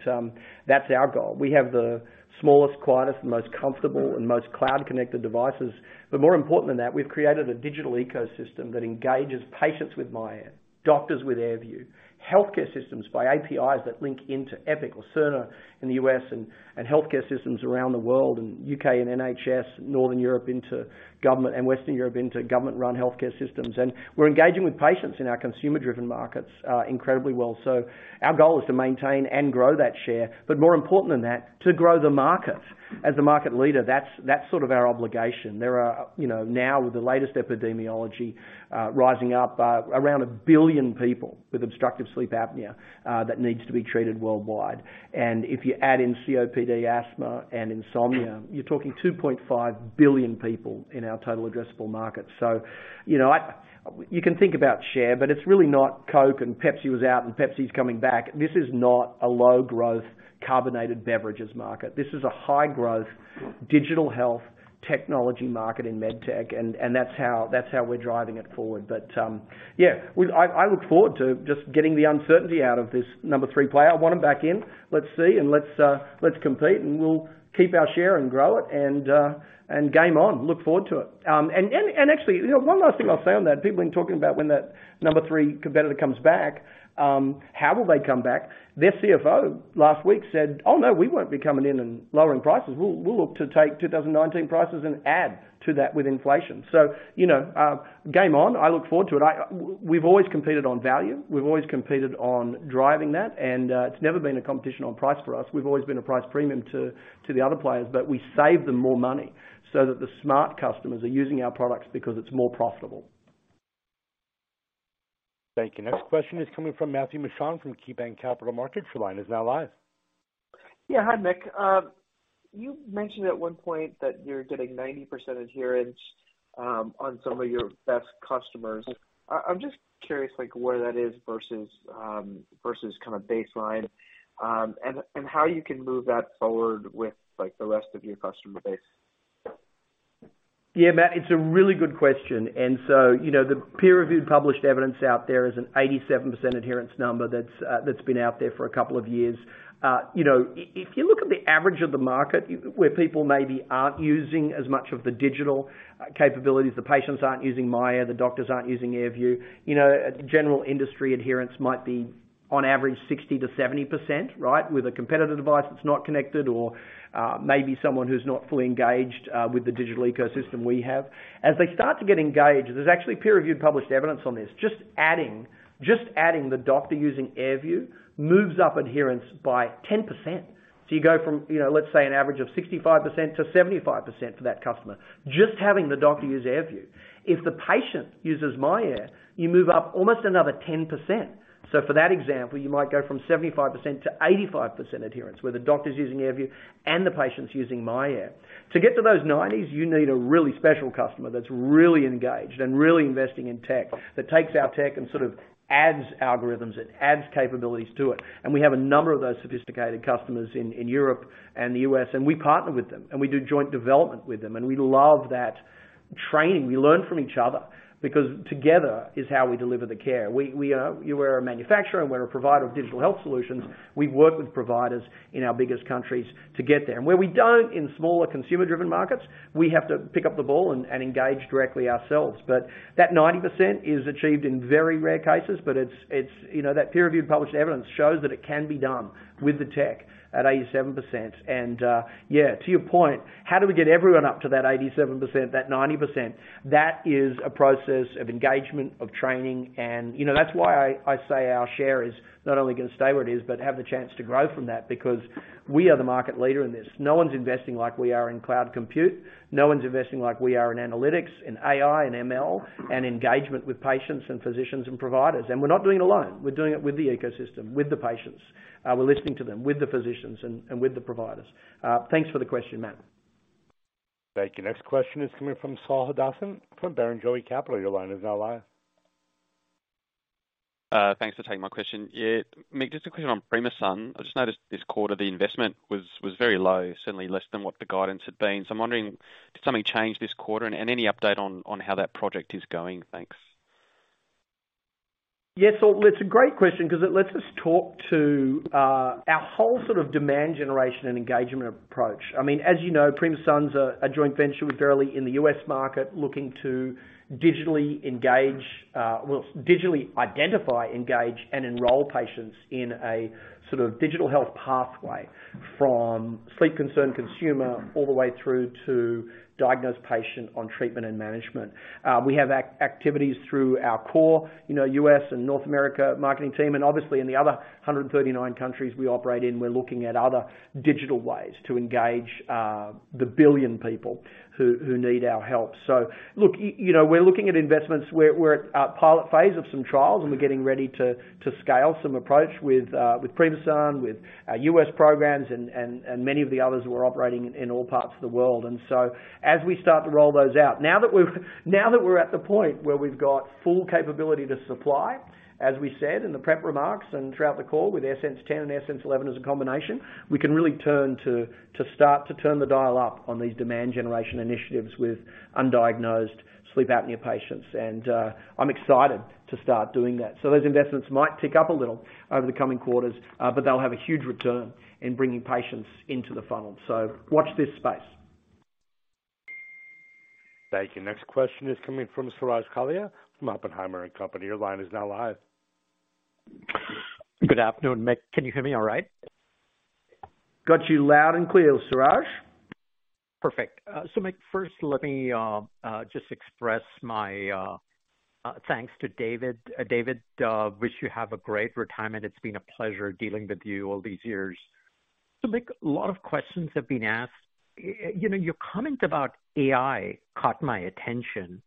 that's our goal. We have the smallest, quietest, most comfortable and most cloud-connected devices. More important than that, we've created a digital ecosystem that engages patients with myAir, doctors with AirView, healthcare systems by APIs that link into Epic or Cerner in the U.S. and healthcare systems around the world, and U.K. and NHS, Northern Europe into government, and Western Europe into government-run healthcare systems. We're engaging with patients in our consumer-driven markets, incredibly well. Our goal is to maintain and grow that share, but more important than that, to grow the market. As a market leader, that's sort of our obligation. There are, you know, now with the latest epidemiology, rising up around 1 billion people with obstructive sleep apnea that needs to be treated worldwide. If you add in COPD asthma and insomnia, you're talking 2.5 billion people in our total addressable market. You know, you can think about share, but it's really not Coke and Pepsi was out and Pepsi is coming back. This is not a low-growth carbonated beverages market. This is a high-growth digital health technology market in med tech, and that's how we're driving it forward. Yeah, I look forward to just getting the uncertainty out of this number 3 player. I want them back in. Let's see, and let's compete, and we'll keep our share and grow it and game on. Look forward to it. Actually, you know, one last thing I found that people have been talking about when that number three competitor comes back, how will they come back? Their CFO last week said, "Oh, no, we won't be coming in and lowering prices. We'll look to take 2019 prices and add to that with inflation." You know, game on. I look forward to it. We've always competed on value. We've always competed on driving that, and it's never been a competition on price for us. We've always been a price premium to the other players, but we save them more money so that the smart customers are using our products because it's more profitable. Thank you. Next question is coming from Matthew Mishan from KeyBanc Capital Markets. Your line is now live. Yeah. Hi, Mick. You mentioned at one point that you're getting 90% adherence on some of your best customers. I'm just curious, like, where that is versus versus kind of baseline, and how you can move that forward with, like, the rest of your customer base? Yeah, Matt, it's a really good question. You know, the peer-reviewed published evidence out there is an 87% adherence number that's been out there for a couple of years. You know, if you look at the average of the market where people maybe aren't using as much of the digital capabilities, the patients aren't using myAir, the doctors aren't using AirView, you know, general industry adherence might be on average 60%-70%, right? With a competitive device that's not connected or, maybe someone who's not fully engaged with the digital ecosystem we have. As they start to get engaged, there's actually peer-reviewed published evidence on this. Just adding the doctor using AirView moves up adherence by 10%. You go from, you know, let's say an average of 65%-75% for that customer. Just having the doctor use AirView. If the patient uses myAir, you move up almost another 10%. For that example, you might go from 75% to 85% adherence, where the doctor's using AirView and the patient's using myAir. To get to those 90s, you need a really special customer that's really engaged and really investing in tech, that takes our tech and sort of adds algorithms, it adds capabilities to it. We have a number of those sophisticated customers in Europe and the U.S., and we partner with them, and we do joint development with them. We love that training. We learn from each other because together is how we deliver the care. We're a manufacturer, and we're a provider of digital health solutions. We work with providers in our biggest countries to get there. Where we don't in smaller consumer-driven markets, we have to pick up the ball and engage directly ourselves. That 90% is achieved in very rare cases. It's, you know, that peer-reviewed published evidence shows that it can be done with the tech at 87%. Yeah, to your point, how do we get everyone up to that 87%, that 90%? That is a process of engagement, of training. You know, that's why I say our share is not only gonna stay where it is, but have the chance to grow from that, because we are the market leader in this. No one's investing like we are in cloud compute. No one's investing like we are in analytics, in AI, in ML, and engagement with patients and physicians and providers. We're not doing it alone. We're doing it with the ecosystem, with the patients. We're listening to them, with the physicians and with the providers. Thanks for the question, Matt. Thank you. Next question is coming from Saul Hadassin from Barrenjoey Capital. Your line is now live. Thanks for taking my question. Nick, just a question on Primasun. I just noticed this quarter, the investment was very low, certainly less than what the guidance had been. I'm wondering if something changed this quarter and any update on how that project is going? Thanks. Yes. It's a great question ’cause it lets us talk to our whole sort of demand generation and engagement approach. I mean, as you know, Primasun’s a joint venture with Verily in the U.S. market looking to digitally engage, well, digitally identify, engage, and enroll patients in a sort of digital health pathway from sleep-concerned consumer all the way through to diagnosed patient on treatment and management. We have activities through our core, you know, U.S. and North America marketing team, and obviously in the other 139 countries we operate in, we're looking at other digital ways to engage the 1 billion people who need our help. Look, you know, we're looking at investments. We're at our pilot phase of some trials, and we're getting ready to scale some approach with Primasun, with U.S. programs and many of the others who are operating in all parts of the world. As we start to roll those out, now that we're at the point where we've got full capability to supply, as we said in the prep remarks and throughout the call with AirSense 10 and AirSense 11 as a combination, we can really turn to start to turn the dial up on these demand generation initiatives with undiagnosed sleep apnea patients. I'm excited to start doing that. Those investments might tick up a little over the coming quarters, but they'll have a huge return in bringing patients into the funnel. Watch this space. Thank you. Next question is coming from Suraj Kalia from Oppenheimer and Company. Your line is now live. Good afternoon, Mick. Can you hear me all right? Got you loud and clear, Suraj. Perfect. Mick, first let me just express my thanks to David. David, wish you have a great retirement. It's been a pleasure dealing with you all these years. Mick, a lot of questions have been asked. You know, your comment about AI caught my attention.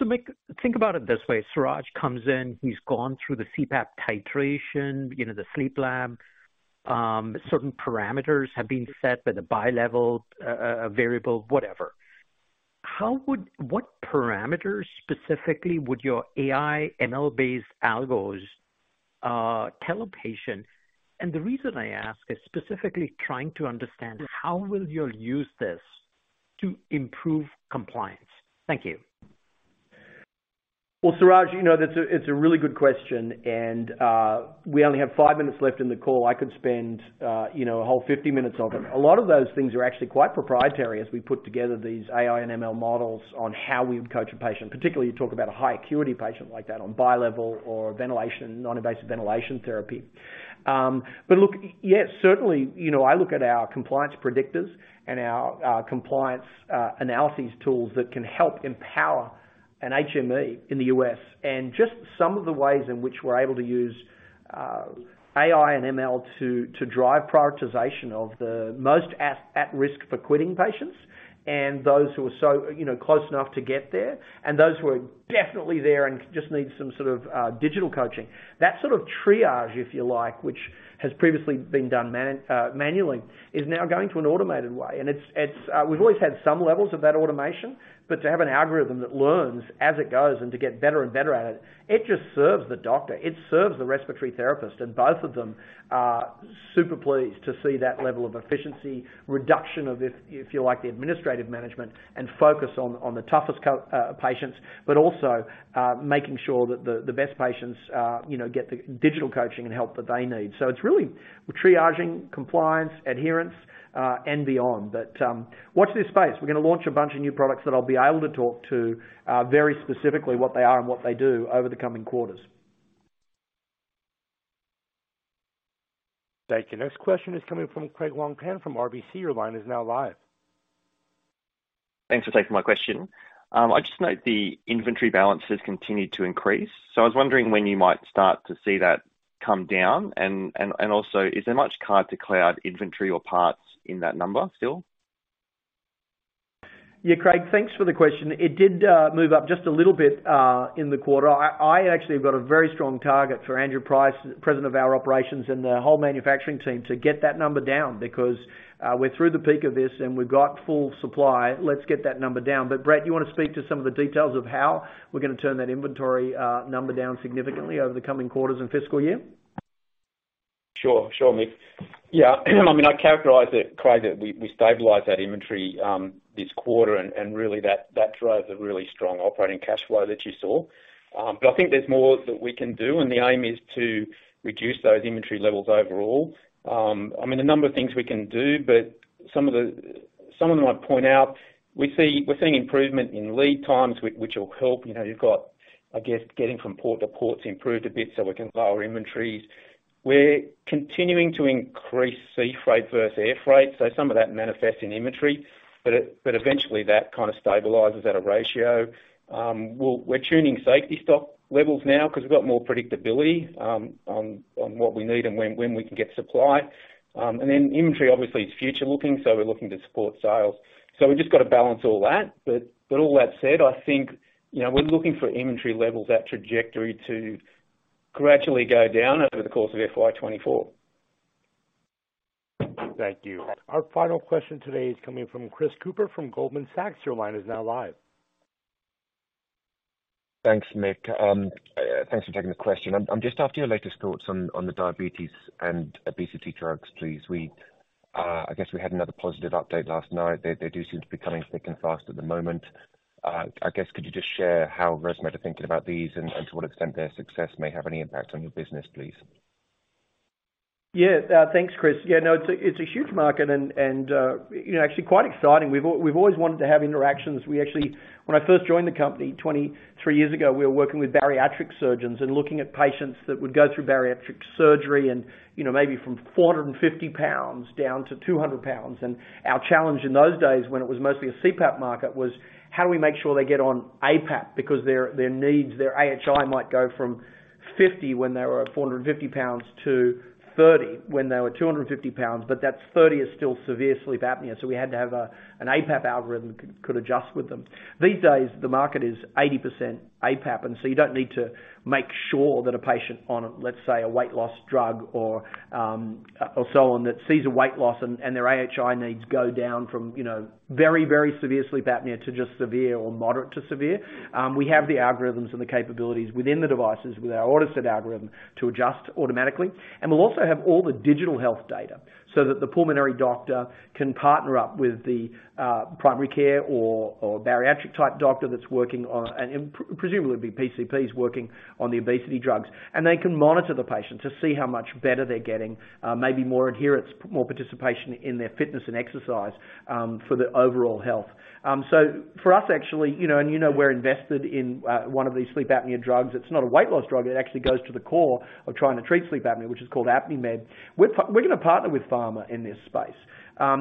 Mick, think about it this way: Suraj comes in, he's gone through the CPAP titration, you know, the sleep lab, certain parameters have been set by the bilevel, a variable, whatever. What parameters specifically would your AI ML-based algos tell a patient? The reason I ask is specifically trying to understand how will you use this to improve compliance? Thank you. Well, Suraj, you know, it's a really good question, and, we only have 5 minutes left in the call. I could spend, you know, a whole 50 minutes of it. A lot of those things are actually quite proprietary as we put together these AI and ML models on how we would coach a patient, particularly you talk about a high acuity patient like that on bilevel or ventilation, non-invasive ventilation therapy. Look, yes, certainly, you know, I look at our compliance predictors and our compliance analysis tools that can help empower an HME in the U.S., and just some of the ways in which we're able to use AI and ML to drive prioritization of the most at risk for quitting patients and those who are so, you know, close enough to get there and those who are definitely there and just need some sort of digital coaching. That sort of triage, if you like, which has previously been done manually, is now going to an automated way. It's, we've always had some levels of that automation, but to have an algorithm that learns as it goes and to get better and better at it just serves the doctor, it serves the respiratory therapist, and both of them are super pleased to see that level of efficiency, reduction of if you like, the administrative management and focus on the toughest patients, but also making sure that the best patients, you know, get the digital coaching and help that they need. It's really triaging, compliance, adherence, and beyond. Watch this space. We're gonna launch a bunch of new products that I'll be able to talk to very specifically, what they are and what they do over the coming quarters. Thank you. Next question is coming from Craig Wong-Pan from RBC. Your line is now live. Thanks for taking my question. I just note the inventory balances continued to increase. I was wondering when you might start to see that come down and also is there much card-to-cloud inventory or parts in that number still? Yeah, Craig, thanks for the question. It did move up just a little bit in the quarter. I actually have got a very strong target for Andrew Price, President of our operations, and the whole manufacturing team to get that number down because we're through the peak of this and we've got full supply. Let's get that number down. Brett, you wanna speak to some of the details of how we're gonna turn that inventory number down significantly over the coming quarters and fiscal year? Sure. Sure, Mick. I mean, I characterize it, Craig, that we stabilized that inventory this quarter. Really that drove the really strong operating cash flow that you saw. I think there's more that we can do, and the aim is to reduce those inventory levels overall. I mean, a number of things we can do, but Some of them I'd point out. We're seeing improvement in lead times which will help. You know, you've got, I guess, getting from port to ports improved a bit, so we can lower inventories. We're continuing to increase sea freight versus air freight, so some of that manifests in inventory. Eventually that kinda stabilizes at a ratio. We're tuning safety stock levels now 'cause we've got more predictability on what we need and when we can get supply. Inventory obviously is future-looking, so we're looking to support sales. We've just gotta balance all that. All that said, I think, you know, we're looking for inventory levels, that trajectory to gradually go down over the course of FY24. Thank you. Our final question today is coming from Chris Cooper from Goldman Sachs. Your line is now live. Thanks, Mick. Thanks for taking the question. I'm just after your latest thoughts on the diabetes and obesity drugs, please. I guess we had another positive update last night. They do seem to be coming thick and fast at the moment. I guess could you just share how ResMed are thinking about these and to what extent their success may have any impact on your business, please? Thanks, Chris. No, it's a huge market and, you know, actually quite exciting. We've always wanted to have interactions. We actually, when I first joined the company 23 years ago, we were working with bariatric surgeons and looking at patients that would go through bariatric surgery and, you know, maybe from 450 lbs down to 200 lbs, and our challenge in those days, when it was mostly a CPAP market, was: How do we make sure they get on APAP? Because their needs, their AHI might go from 50 when they were at 450 lbs to 30 when they were 250 lbs, but that 30 is still severe sleep apnea. We had to have an APAP algorithm that could adjust with them. These days, the market is 80% APAP, you don't need to make sure that a patient on, let's say, a weight loss drug or so on, that sees a weight loss and their AHI needs go down from, you know, very, very severe sleep apnea to just severe or moderate to severe. We have the algorithms and the capabilities within the devices with our AutoSet algorithm to adjust automatically. We'll also have all the digital health data so that the pulmonary doctor can partner up with the primary care or bariatric type doctor that's working on... Presumably, it'd be PCPs working on the obesity drugs. They can monitor the patient to see how much better they're getting, maybe more adherence, more participation in their fitness and exercise, for their overall health. For us, actually, you know, and you know, we're invested in one of these sleep apnea drugs. It's not a weight loss drug. It actually goes to the core of trying to treat sleep apnea, which is called ApniMed. We're gonna partner with pharma in this space.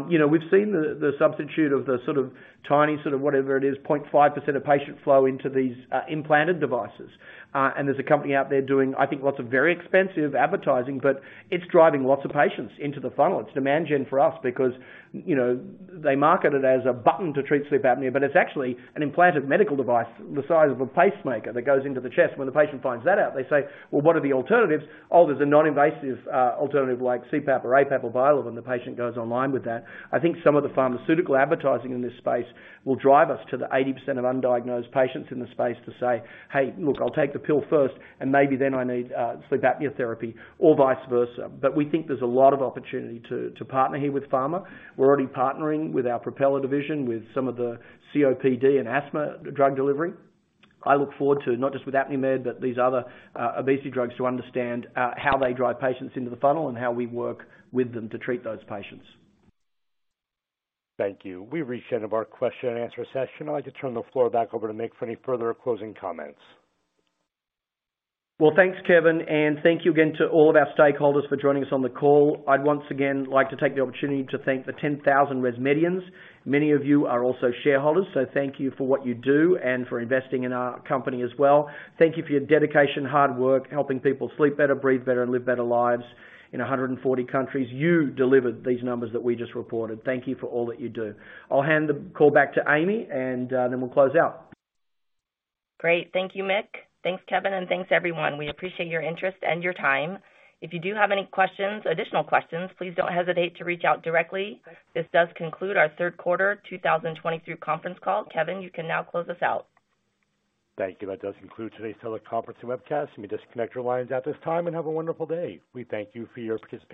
You know, we've seen the substitute of the sort of tiny sort of whatever it is, 0.5% of patient flow into these implanted devices. There's a company out there doing, I think, lots of very expensive advertising, but it's driving lots of patients into the funnel. It's demand gen for us because, you know, they market it as a button to treat sleep apnea, but it's actually an implanted medical device the size of a pacemaker that goes into the chest. When the patient finds that out, they say, "Well, what are the alternatives?" Oh, there's a non-invasive alternative like CPAP or APAP or BiLevel. The patient goes online with that. I think some of the pharmaceutical advertising in this space will drive us to the 80% of undiagnosed patients in the space to say, "Hey, look, I'll take the pill first, and maybe then I need sleep apnea therapy or vice versa." We think there's a lot of opportunity to partner here with pharma. We're already partnering with our Propeller division, with some of the COPD and asthma drug delivery. I look forward to not just with ApniMed, but these other obesity drugs to understand how they drive patients into the funnel and how we work with them to treat those patients. Thank you. We've reached the end of our question and answer session. I'd like to turn the floor back over to Mick for any further closing comments. Well, thanks, Kevin. Thank you again to all of our stakeholders for joining us on the call. I'd once again like to take the opportunity to thank the 10,000 ResMedians. Many of you are also shareholders. Thank you for what you do and for investing in our company as well. Thank you for your dedication, hard work, helping people sleep better, breathe better, and live better lives in 140 countries. You delivered these numbers that we just reported. Thank you for all that you do. I'll hand the call back to Amy and then we'll close out. Great. Thank you, Mick. Thanks, Kevin, and thanks, everyone. We appreciate your interest and your time. If you do have any questions, additional questions, please don't hesitate to reach out directly. This does conclude our third quarter, 2023 conference call. Kevin, you can now close us out. Thank you. That does conclude today's teleconference and webcast. You may disconnect your lines at this time and have a wonderful day. We thank you for your participation.